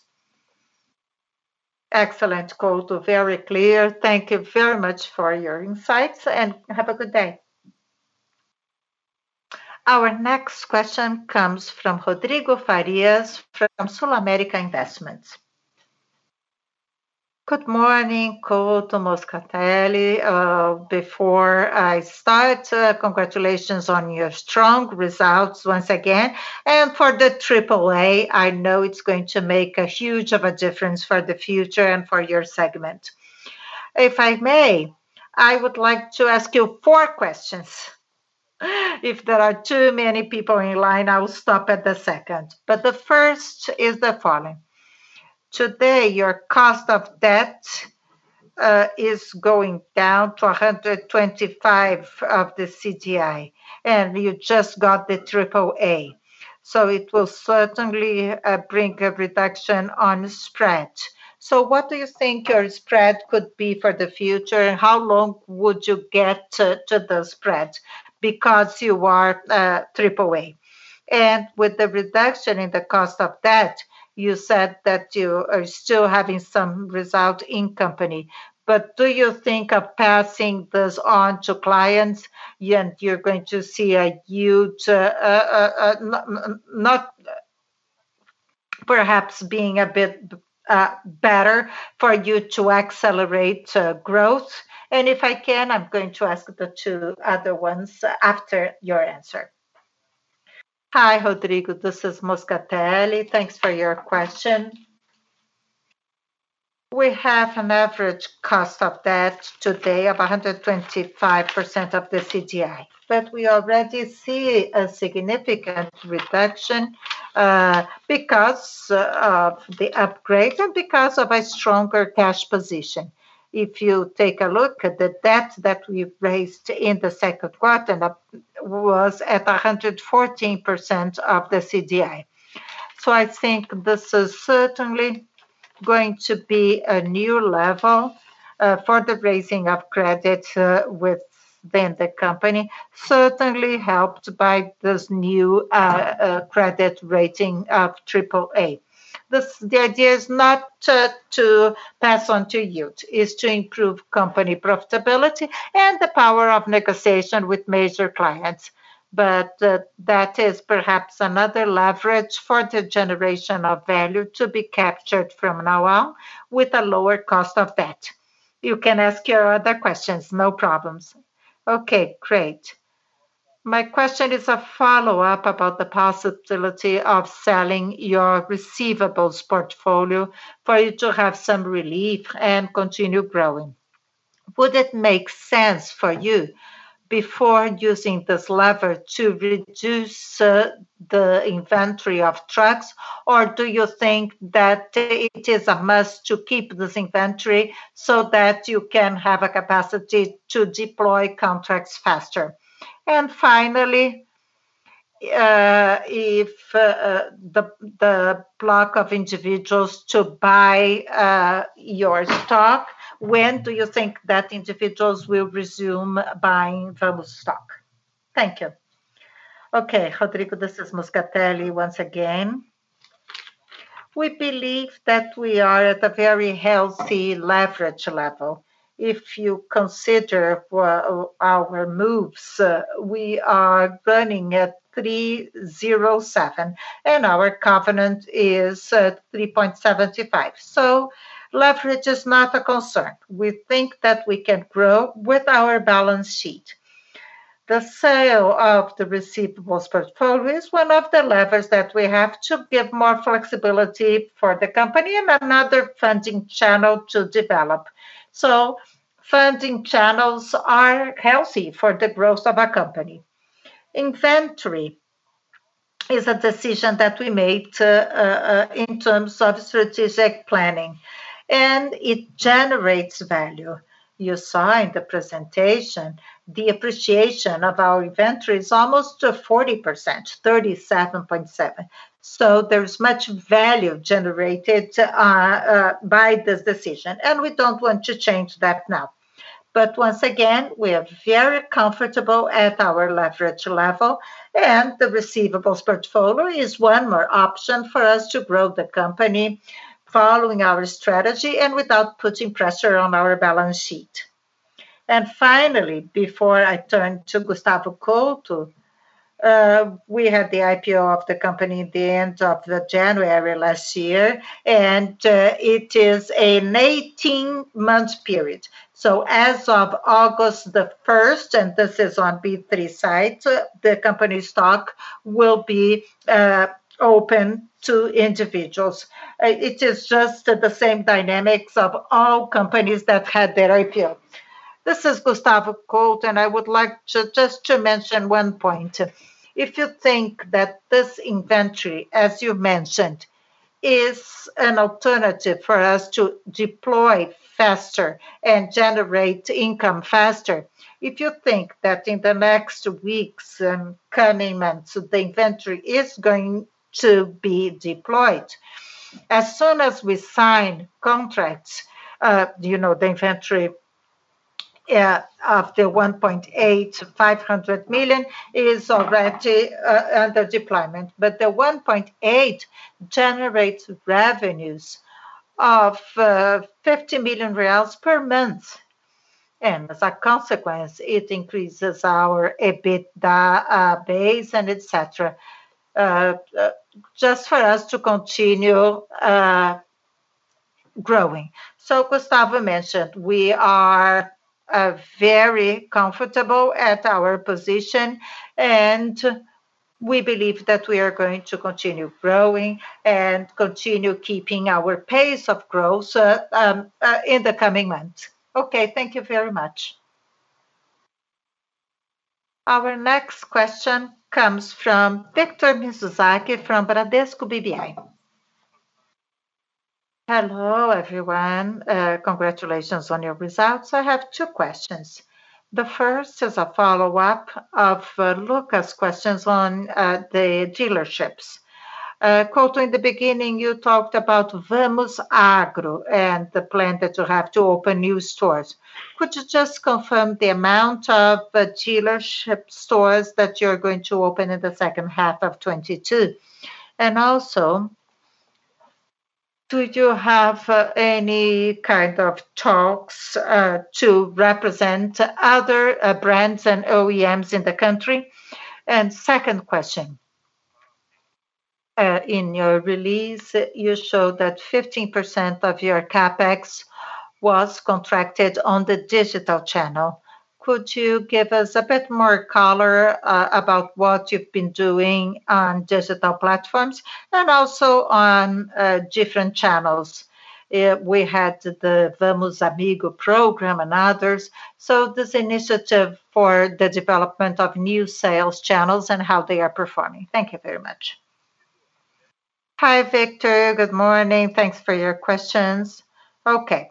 Excellent, Couto. Very clear. Thank you very much for your insights, and have a good day. Our next question comes from Rodrigo Farias from SulAmérica Investimentos. Good morning, Couto, Moscatelli. Before I start, congratulations on your strong results once again. For the triple A, I know it's going to make a huge difference for the future and for your segment. If I may, I would like to ask you four questions. If there are too many people in line, I will stop at the second. The first is the following. Today, your cost of debt is going down to 125 of the CDI, and you just got the triple A. It will certainly bring a reduction on spread. What do you think your spread could be for the future? How long would you get to the spread because you are triple A? And with the reduction in the cost of debt, you said that you are still having some result in company. Do you think of passing this on to clients and you're going to see a huge, not perhaps being a bit better for you to accelerate growth? If I can, I'm going to ask the two other ones after your answer. Hi, Rodrigo. This is Moscatelli. Thanks for your question. We have an average cost of debt today of 125% of the CDI. We already see a significant reduction because of the upgrade and because of a stronger cash position. If you take a look at the debt that we've raised in the Q2, that was at 114% of the CDI. I think this is certainly going to be a new level for the raising of credit within the company, certainly helped by this new credit rating of triple A. The idea is not to pass on to you. It's to improve company profitability and the power of negotiation with major clients. That is perhaps another leverage for the generation of value to be captured from now on with a lower cost of debt. You can ask your other questions, no problems. Okay, great. My question is a follow-up about the possibility of selling your receivables portfolio for you to have some relief and continue growing. Would it make sense for you before using this lever to reduce the inventory of trucks, or do you think that it is a must to keep this inventory so that you can have a capacity to deploy contracts faster? And finally, if the lock-up of individuals to buy your stock, when do you think that individuals will resume buying Vamos's stock? Thank you. Okay, Rodrigo, this is Moscatelli once again. We believe that we are at a very healthy leverage level. If you consider our moves, we are running at 3.07, and our covenant is at 3.75. Leverage is not a concern. We think that we can grow with our balance sheet. The sale of the receivable's portfolio is one of the levers that we have to give more flexibility for the company and another funding channel to develop. Funding channels are healthy for the growth of our company. Inventory is a decision that we made in terms of strategic planning, and it generates value. You saw in the presentation the appreciation of our inventory is almost 40%, 37.7%. There's much value generated by this decision, and we don't want to change that now. Once again, we are very comfortable at our leverage level, and the receivables portfolio is one more option for us to grow the company following our strategy and without putting pressure on our balance sheet. Finally, before I turn to Gustavo Couto, we had the IPO of the company at the end of January last year, and it is an 18-month period. As of August 1st, and this is on B3 site, the company stock will be open to individuals. It is just the same dynamics of all companies that had their IPO. This is Gustavo Couto, and I would like to just mention one point. If you think that this inventory, as you mentioned, is an alternative for us to deploy faster and generate income faster, if you think that in the next weeks and coming months, the inventory is going to be deployed. As soon as we sign contracts, you know, the inventory of the 185 million is already under deployment. The 1.8 generates revenues of 50 million reais per month. As a consequence, it increases our EBITDA base and et cetera, just for us to continue growing. Gustavo mentioned we are very comfortable at our position, and we believe that we are going to continue growing and continue keeping our pace of growth in the coming months. Okay, thank you very much. Our next question comes from Victor Mizusaki from Bradesco BBI. Hello, everyone. Congratulations on your results. I have two questions. The first is a follow-up of Lucas' questions on the dealerships. Gustavo Couto, in the beginning, you talked about Vamos Agro and the plan that you have to open new stores. Could you just confirm the amount of dealership stores that you're going to open in the H1 of 2022? Also, do you have any kind of talks to represent other brands and OEMs in the country? Second question. In your release, you showed that 15% of your CapEx was contracted on the digital channel. Could you give us a bit more color about what you've been doing on digital platforms and also on different channels? We had the Vamos Amigo program and others, so this initiative for the development of new sales channels and how they are performing. Thank you very much. Hi, Victor. Good morning. Thanks for your questions. Okay.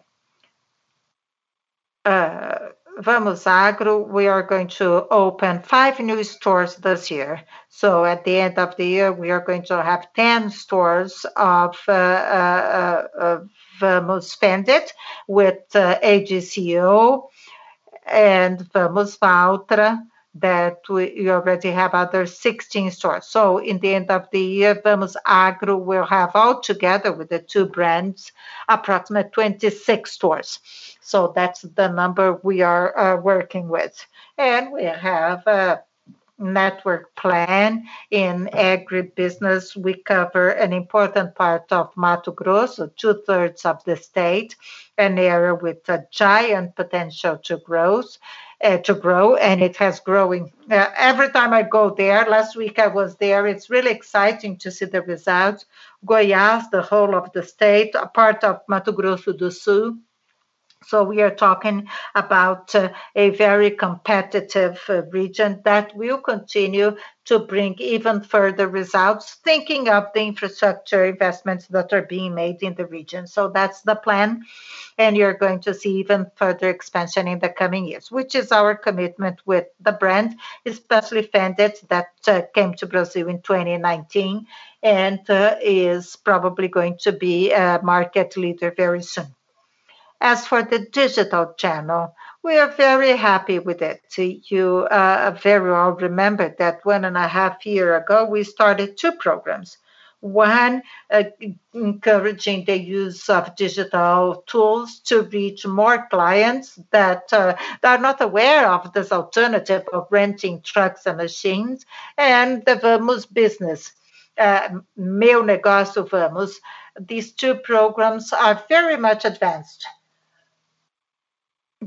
Vamos Agro, we are going to open five new stores this year. At the end of the year, we are going to have 10 stores of Vamos Fendt with AGCO and Vamos Valtra that we already have 16 other stores. In the end of the year, Vamos Agro will have all together with the two brands, approximately 26 stores. That's the number we are working with. We have a network plan in agribusiness. We cover an important part of Mato Grosso, two-thirds of the state, an area with a giant potential to grow, and it is growing. Every time I go there, last week I was there, it's really exciting to see the results. Goiás, the whole of the state, a part of Mato Grosso do Sul. We are talking about a very competitive region that will continue to bring even further results, thinking of the infrastructure investments that are being made in the region. That's the plan, and you're going to see even further expansion in the coming years, which is our commitment with the brand, especially Fendt, that came to Brazil in 2019 and is probably going to be a market leader very soon. As for the digital channel, we are very happy with it. You very well remember that 1.5 years ago, we started two programs. One, encouraging the use of digital tools to reach more clients that are not aware of this alternative of renting trucks and machines and the Vamos business, Meu Negócio Vamos. These two programs are very much advanced.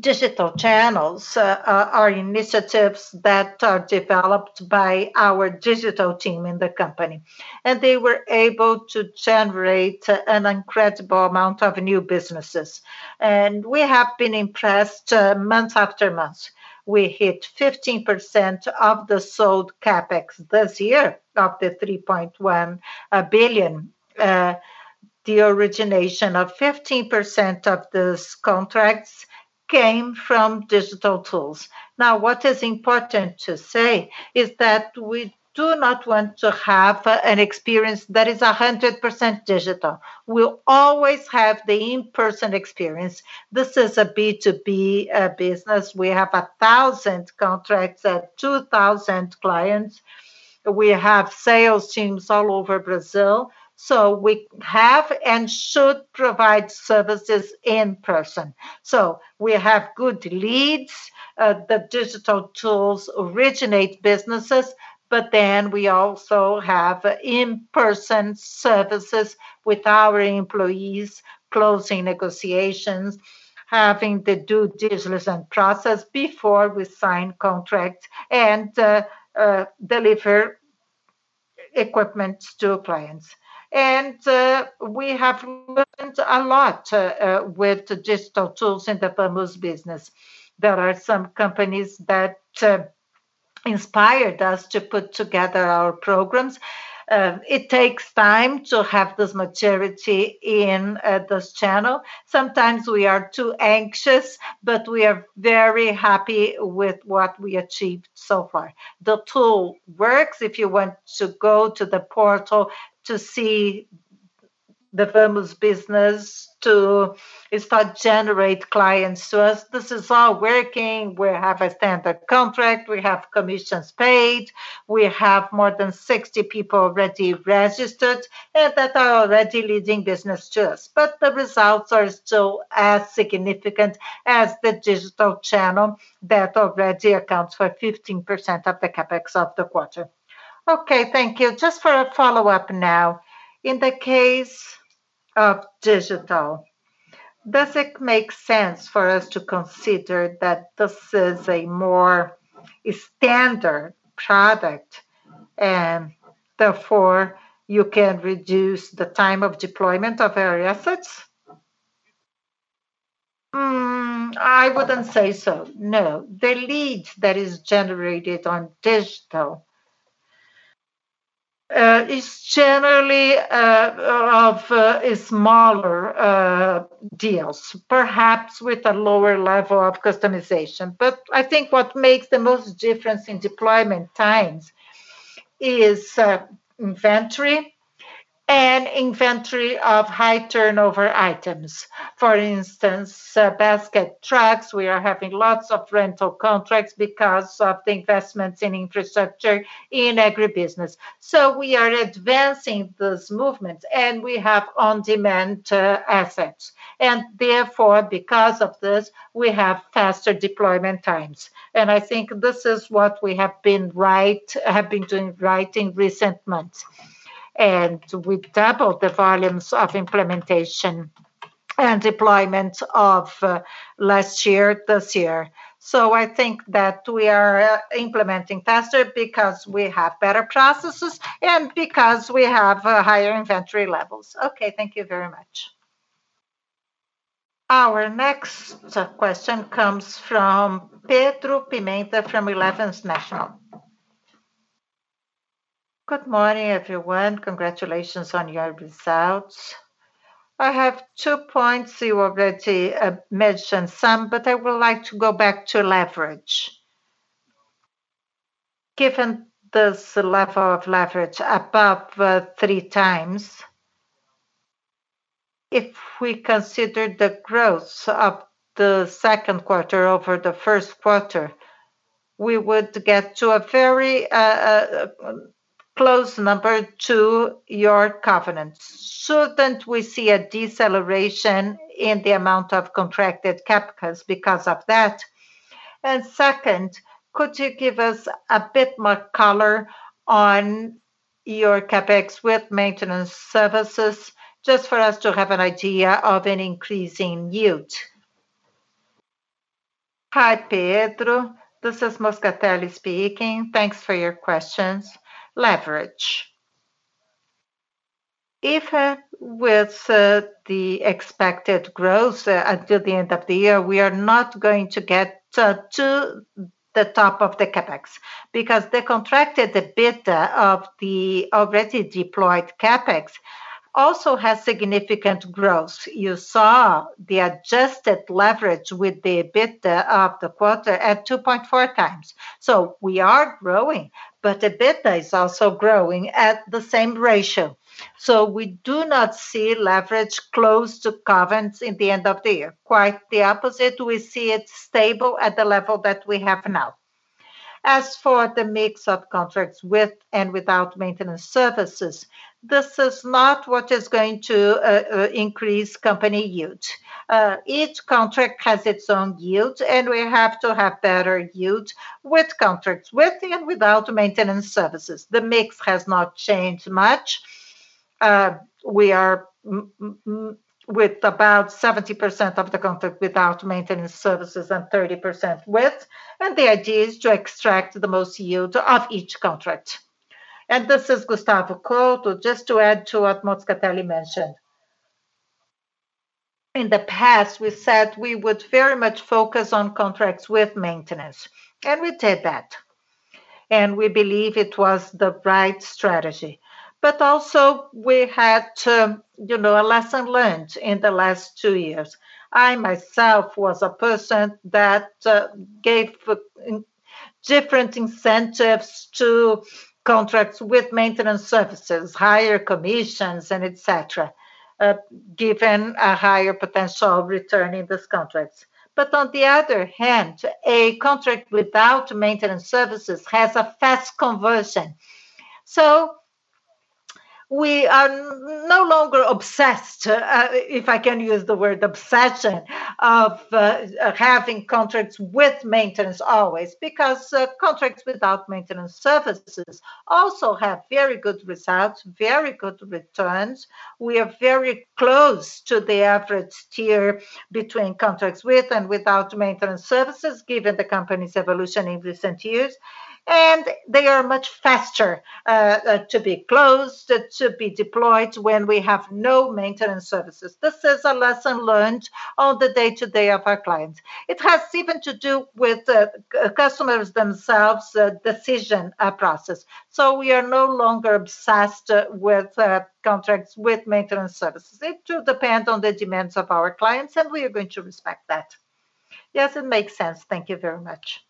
Digital channels are initiatives that are developed by our digital team in the company, and they were able to generate an incredible number of new businesses. We have been impressed month after month. We hit 15% of the sold CapEx this year, of the 3.1 billion. The origination of 15% of those contracts came from digital tools. Now, what is important to say is that we do not want to have an experience that is 100% digital. We'll always have the in-person experience. This is a B2B business. We have 1,000 contracts, 2,000 clients. We have sales teams all over Brazil, so we have and should provide services in person. We have good leads. The digital tools originate businesses, but then we also have in-person services with our employees, closing negotiations, having the due diligence and process before we sign contracts and deliver equipment to clients. We have learned a lot with the digital tools in the Vamos business. There are some companies that inspired us to put together our programs. It takes time to have this maturity in this channel. Sometimes we are too anxious, but we are very happy with what we achieved so far. The tool works if you want to go to the portal to see the Vamos business to start generate clients to us. This is all working. We have a standard contract. We have commissions paid. We have more than 60 people already registered that are already leading business to us. The results are still as significant as the digital channel that already accounts for 15% of the CapEx of the quarter. Okay, thank you. Just for a follow-up now. In the case of digital, does it make sense for us to consider that this is a more standard product and therefore you can reduce the time of deployment of our assets? I wouldn't say so, no. The lead that is generated on digital is generally of smaller deals, perhaps with a lower level of customization. I think what makes the most difference in deployment times is inventory of high turnover items. For instance, basket trucks, we are having lots of rental contracts because of the investments in infrastructure in agribusiness. We are advancing this movement, and we have on-demand assets. Therefore, because of this, we have faster deployment times. I think this is what we have been doing right in recent months. We've doubled the volumes of implementation and deployment of last year, this year. I think that we are implementing faster because we have better processes and because we have higher inventory levels. Okay, thank you very much. Our next question comes from Pedro Pimenta from Eleven Financial. Good morning, everyone. Congratulations on your results. I have two points. You already mentioned some, but I would like to go back to leverage. Given this level of leverage above three times, if we consider the growth of the Q2 over the Q1, we would get to a very close number to your covenant. Shouldn't we see a deceleration in the amount of contracted CapEx because of that? Second, could you give us a bit more color on your CapEx with maintenance services just for us to have an idea of an increasing yield? Hi, Pedro, this is Moscatelli speaking. Thanks for your questions. Leverage. Even with the expected growth until the end of the year, we are not going to get to the top of the CapEx because the contracted EBITDA of the already deployed CapEx also has significant growth. You saw the adjusted leverage with the EBITDA of the quarter at 2.4 times. We are growing, but EBITDA is also growing at the same ratio. We do not see leverage close to covenants in the end of the year. Quite the opposite. We see it stable at the level that we have now. As for the mix of contracts with and without maintenance services, this is not what is going to increase company yield. Each contract has its own yield, and we have to have better yield with contracts with and without maintenance services. The mix has not changed much. We are with about 70% of the contract without maintenance services and 30% with, and the idea is to extract the most yield of each contract. This is Gustavo Couto. Just to add to what Moscatelli mentioned. In the past, we said we would very much focus on contracts with maintenance, and we did that. We believe it was the right strategy. Also, we had to, you know, a lesson learned in the last two years. I myself was a person that gave different incentives to contracts with maintenance services, higher commissions and etcetera, given a higher potential of return in these contracts. On the other hand, a contract without maintenance services has a fast conversion. We are no longer obsessed, if I can use the word obsession, of having contracts with maintenance always because contracts without maintenance services also have very good results, very good returns. We are very close to the average tier between contracts with and without maintenance services given the company's evolution in recent years. They are much faster to be closed, to be deployed when we have no maintenance services. This is a lesson learned on the day-to-day of our clients. It has even to do with the customers themselves decision process. We are no longer obsessed with contracts with maintenance services. It do depend on the demands of our clients, and we are going to respect that. Yes, it makes sense. Thank you very much.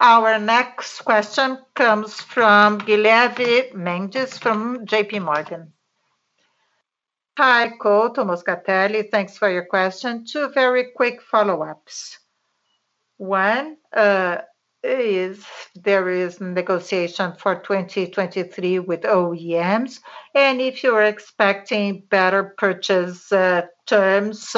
Our next question comes from Guilherme Mendes from JP Morgan. Hi, Couto, Moscatelli, thanks for your question. Two very quick follow-ups. One, is there negotiation for 2023 with OEMs and if you're expecting better purchase terms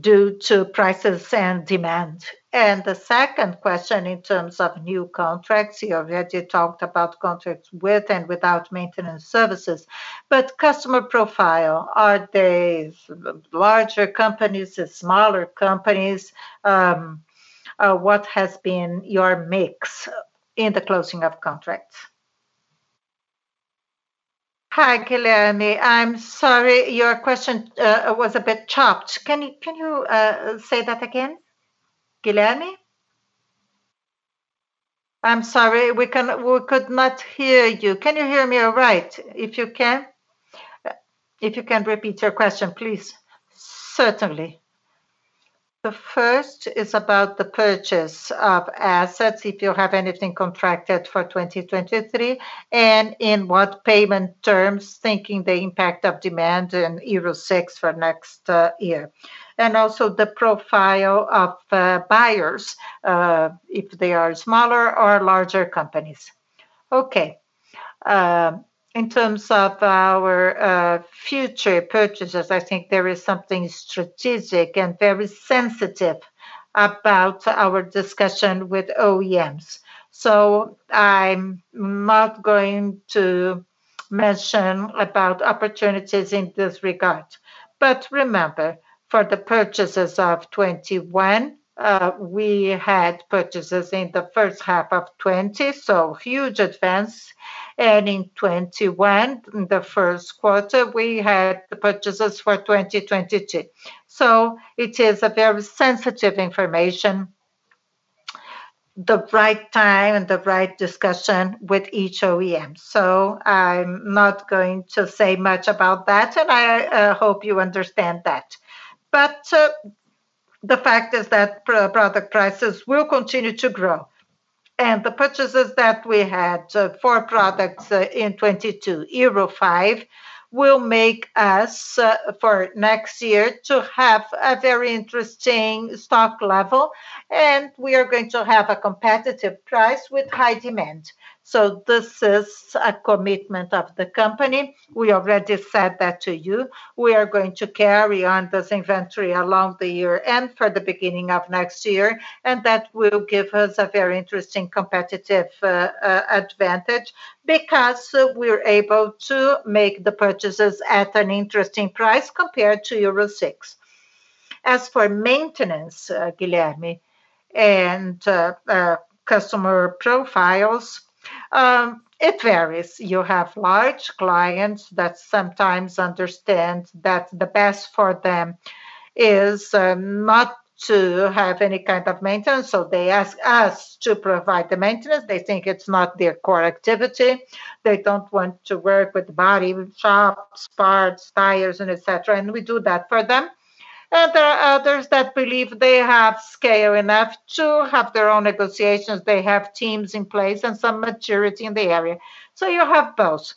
due to prices and demand. The second question in terms of new contracts, you already talked about contracts with and without maintenance services, but customer profile, are they larger companies, smaller companies? What has been your mix in the closing of contracts? Hi, Guilherme. I'm sorry, your question was a bit chopped. Can you say that again? Guilherme? I'm sorry. We could not hear you. Can you hear me all right? If you can repeat your question, please. Certainly. The first is about the purchase of assets, if you have anything contracted for 2023, and in what payment terms, thinking the impact of demand in Euro 6 for next year. Also, the profile of buyers, if they are smaller or larger companies. Okay. In terms of our future purchases, I think there is something strategic and very sensitive about our discussion with OEMs. I'm not going to mention about opportunities in this regard. Remember, for the purchases of 2021, we had purchases in the H1 of 2020, so huge advance. In 2021, in the Q1, we had the purchases for 2022. It is a very sensitive information, the right time and the right discussion with each OEM. I'm not going to say much about that, and I hope you understand that. The fact is that product prices will continue to grow. The purchases that we had for products in 2022, Euro 5, will make us for next year to have a very interesting stock level, and we are going to have a competitive price with high demand. This is a commitment of the company. We already said that to you. We are going to carry on this inventory along the year and for the beginning of next year, and that will give us a very interesting competitive advantage because we're able to make the purchases at an interesting price compared to Euro 6. As for maintenance, Guilherme, and customer profiles, it varies. You have large clients that sometimes understand that the best for them is not to have any kind of maintenance, so they ask us to provide the maintenance. They think it's not their core activity. They don't want to work with body shops, parts, tires, and et cetera, and we do that for them. There are others that believe they have scale enough to have their own negotiations. They have teams in place and some maturity in the area. You have both.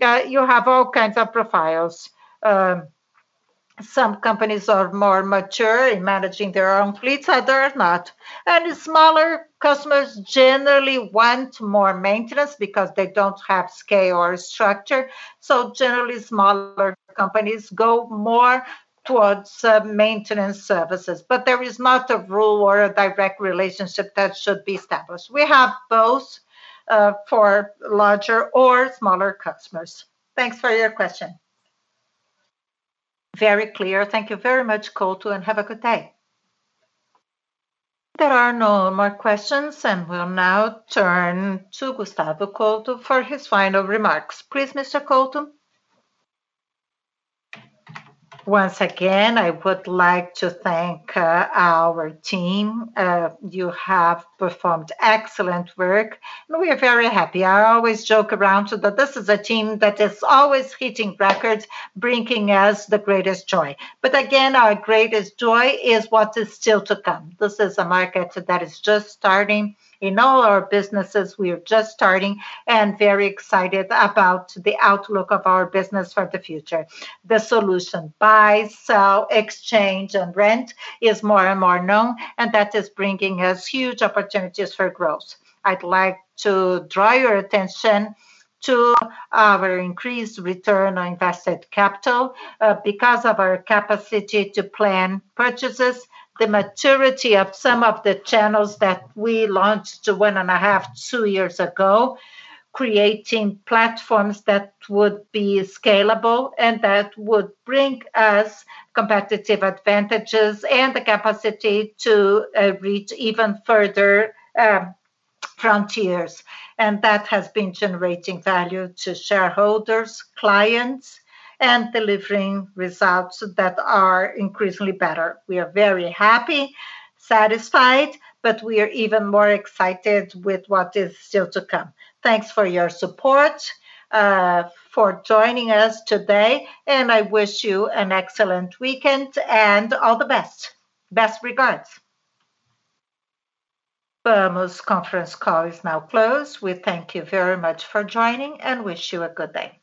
You have all kinds of profiles. Some companies are more mature in managing their own fleets, others not. Smaller customers generally want more maintenance because they don't have scale or structure. Generally, smaller companies go more towards maintenance services. There is not a rule or a direct relationship that should be established. We have both for larger and smaller customers. Thanks for your question. Very clear. Thank you very much, Couto, and have a good day. There are no more questions, and we'll now turn to Gustavo Couto for his final remarks. Please, Mr. Couto. Once again, I would like to thank our team. You have performed excellent work, and we are very happy. I always joke around that this is a team that is always hitting records, bringing us the greatest joy. Our greatest joy is what is still to come. This is a market that is just starting. In all our businesses, we are just starting and very excited about the outlook of our business for the future. The solution buys, sell, exchange, and rent is more and more known, and that is bringing us huge opportunities for growth. I'd like to draw your attention to our increased return on invested capital, because of our capacity to plan purchases, the maturity of some of the channels that we launched 1.5, two years ago, creating platforms that would be scalable and that would bring us competitive advantages and the capacity to reach even further frontiers. That has been generating value to shareholders, clients, and delivering results that are increasingly better. We are very happy, satisfied, but we are even more excited with what is still to come. Thanks for your support, for joining us today, and I wish you an excellent weekend and all the best. Best regards. Vamos' conference call is now closed. We thank you very much for joining and wish you a good day.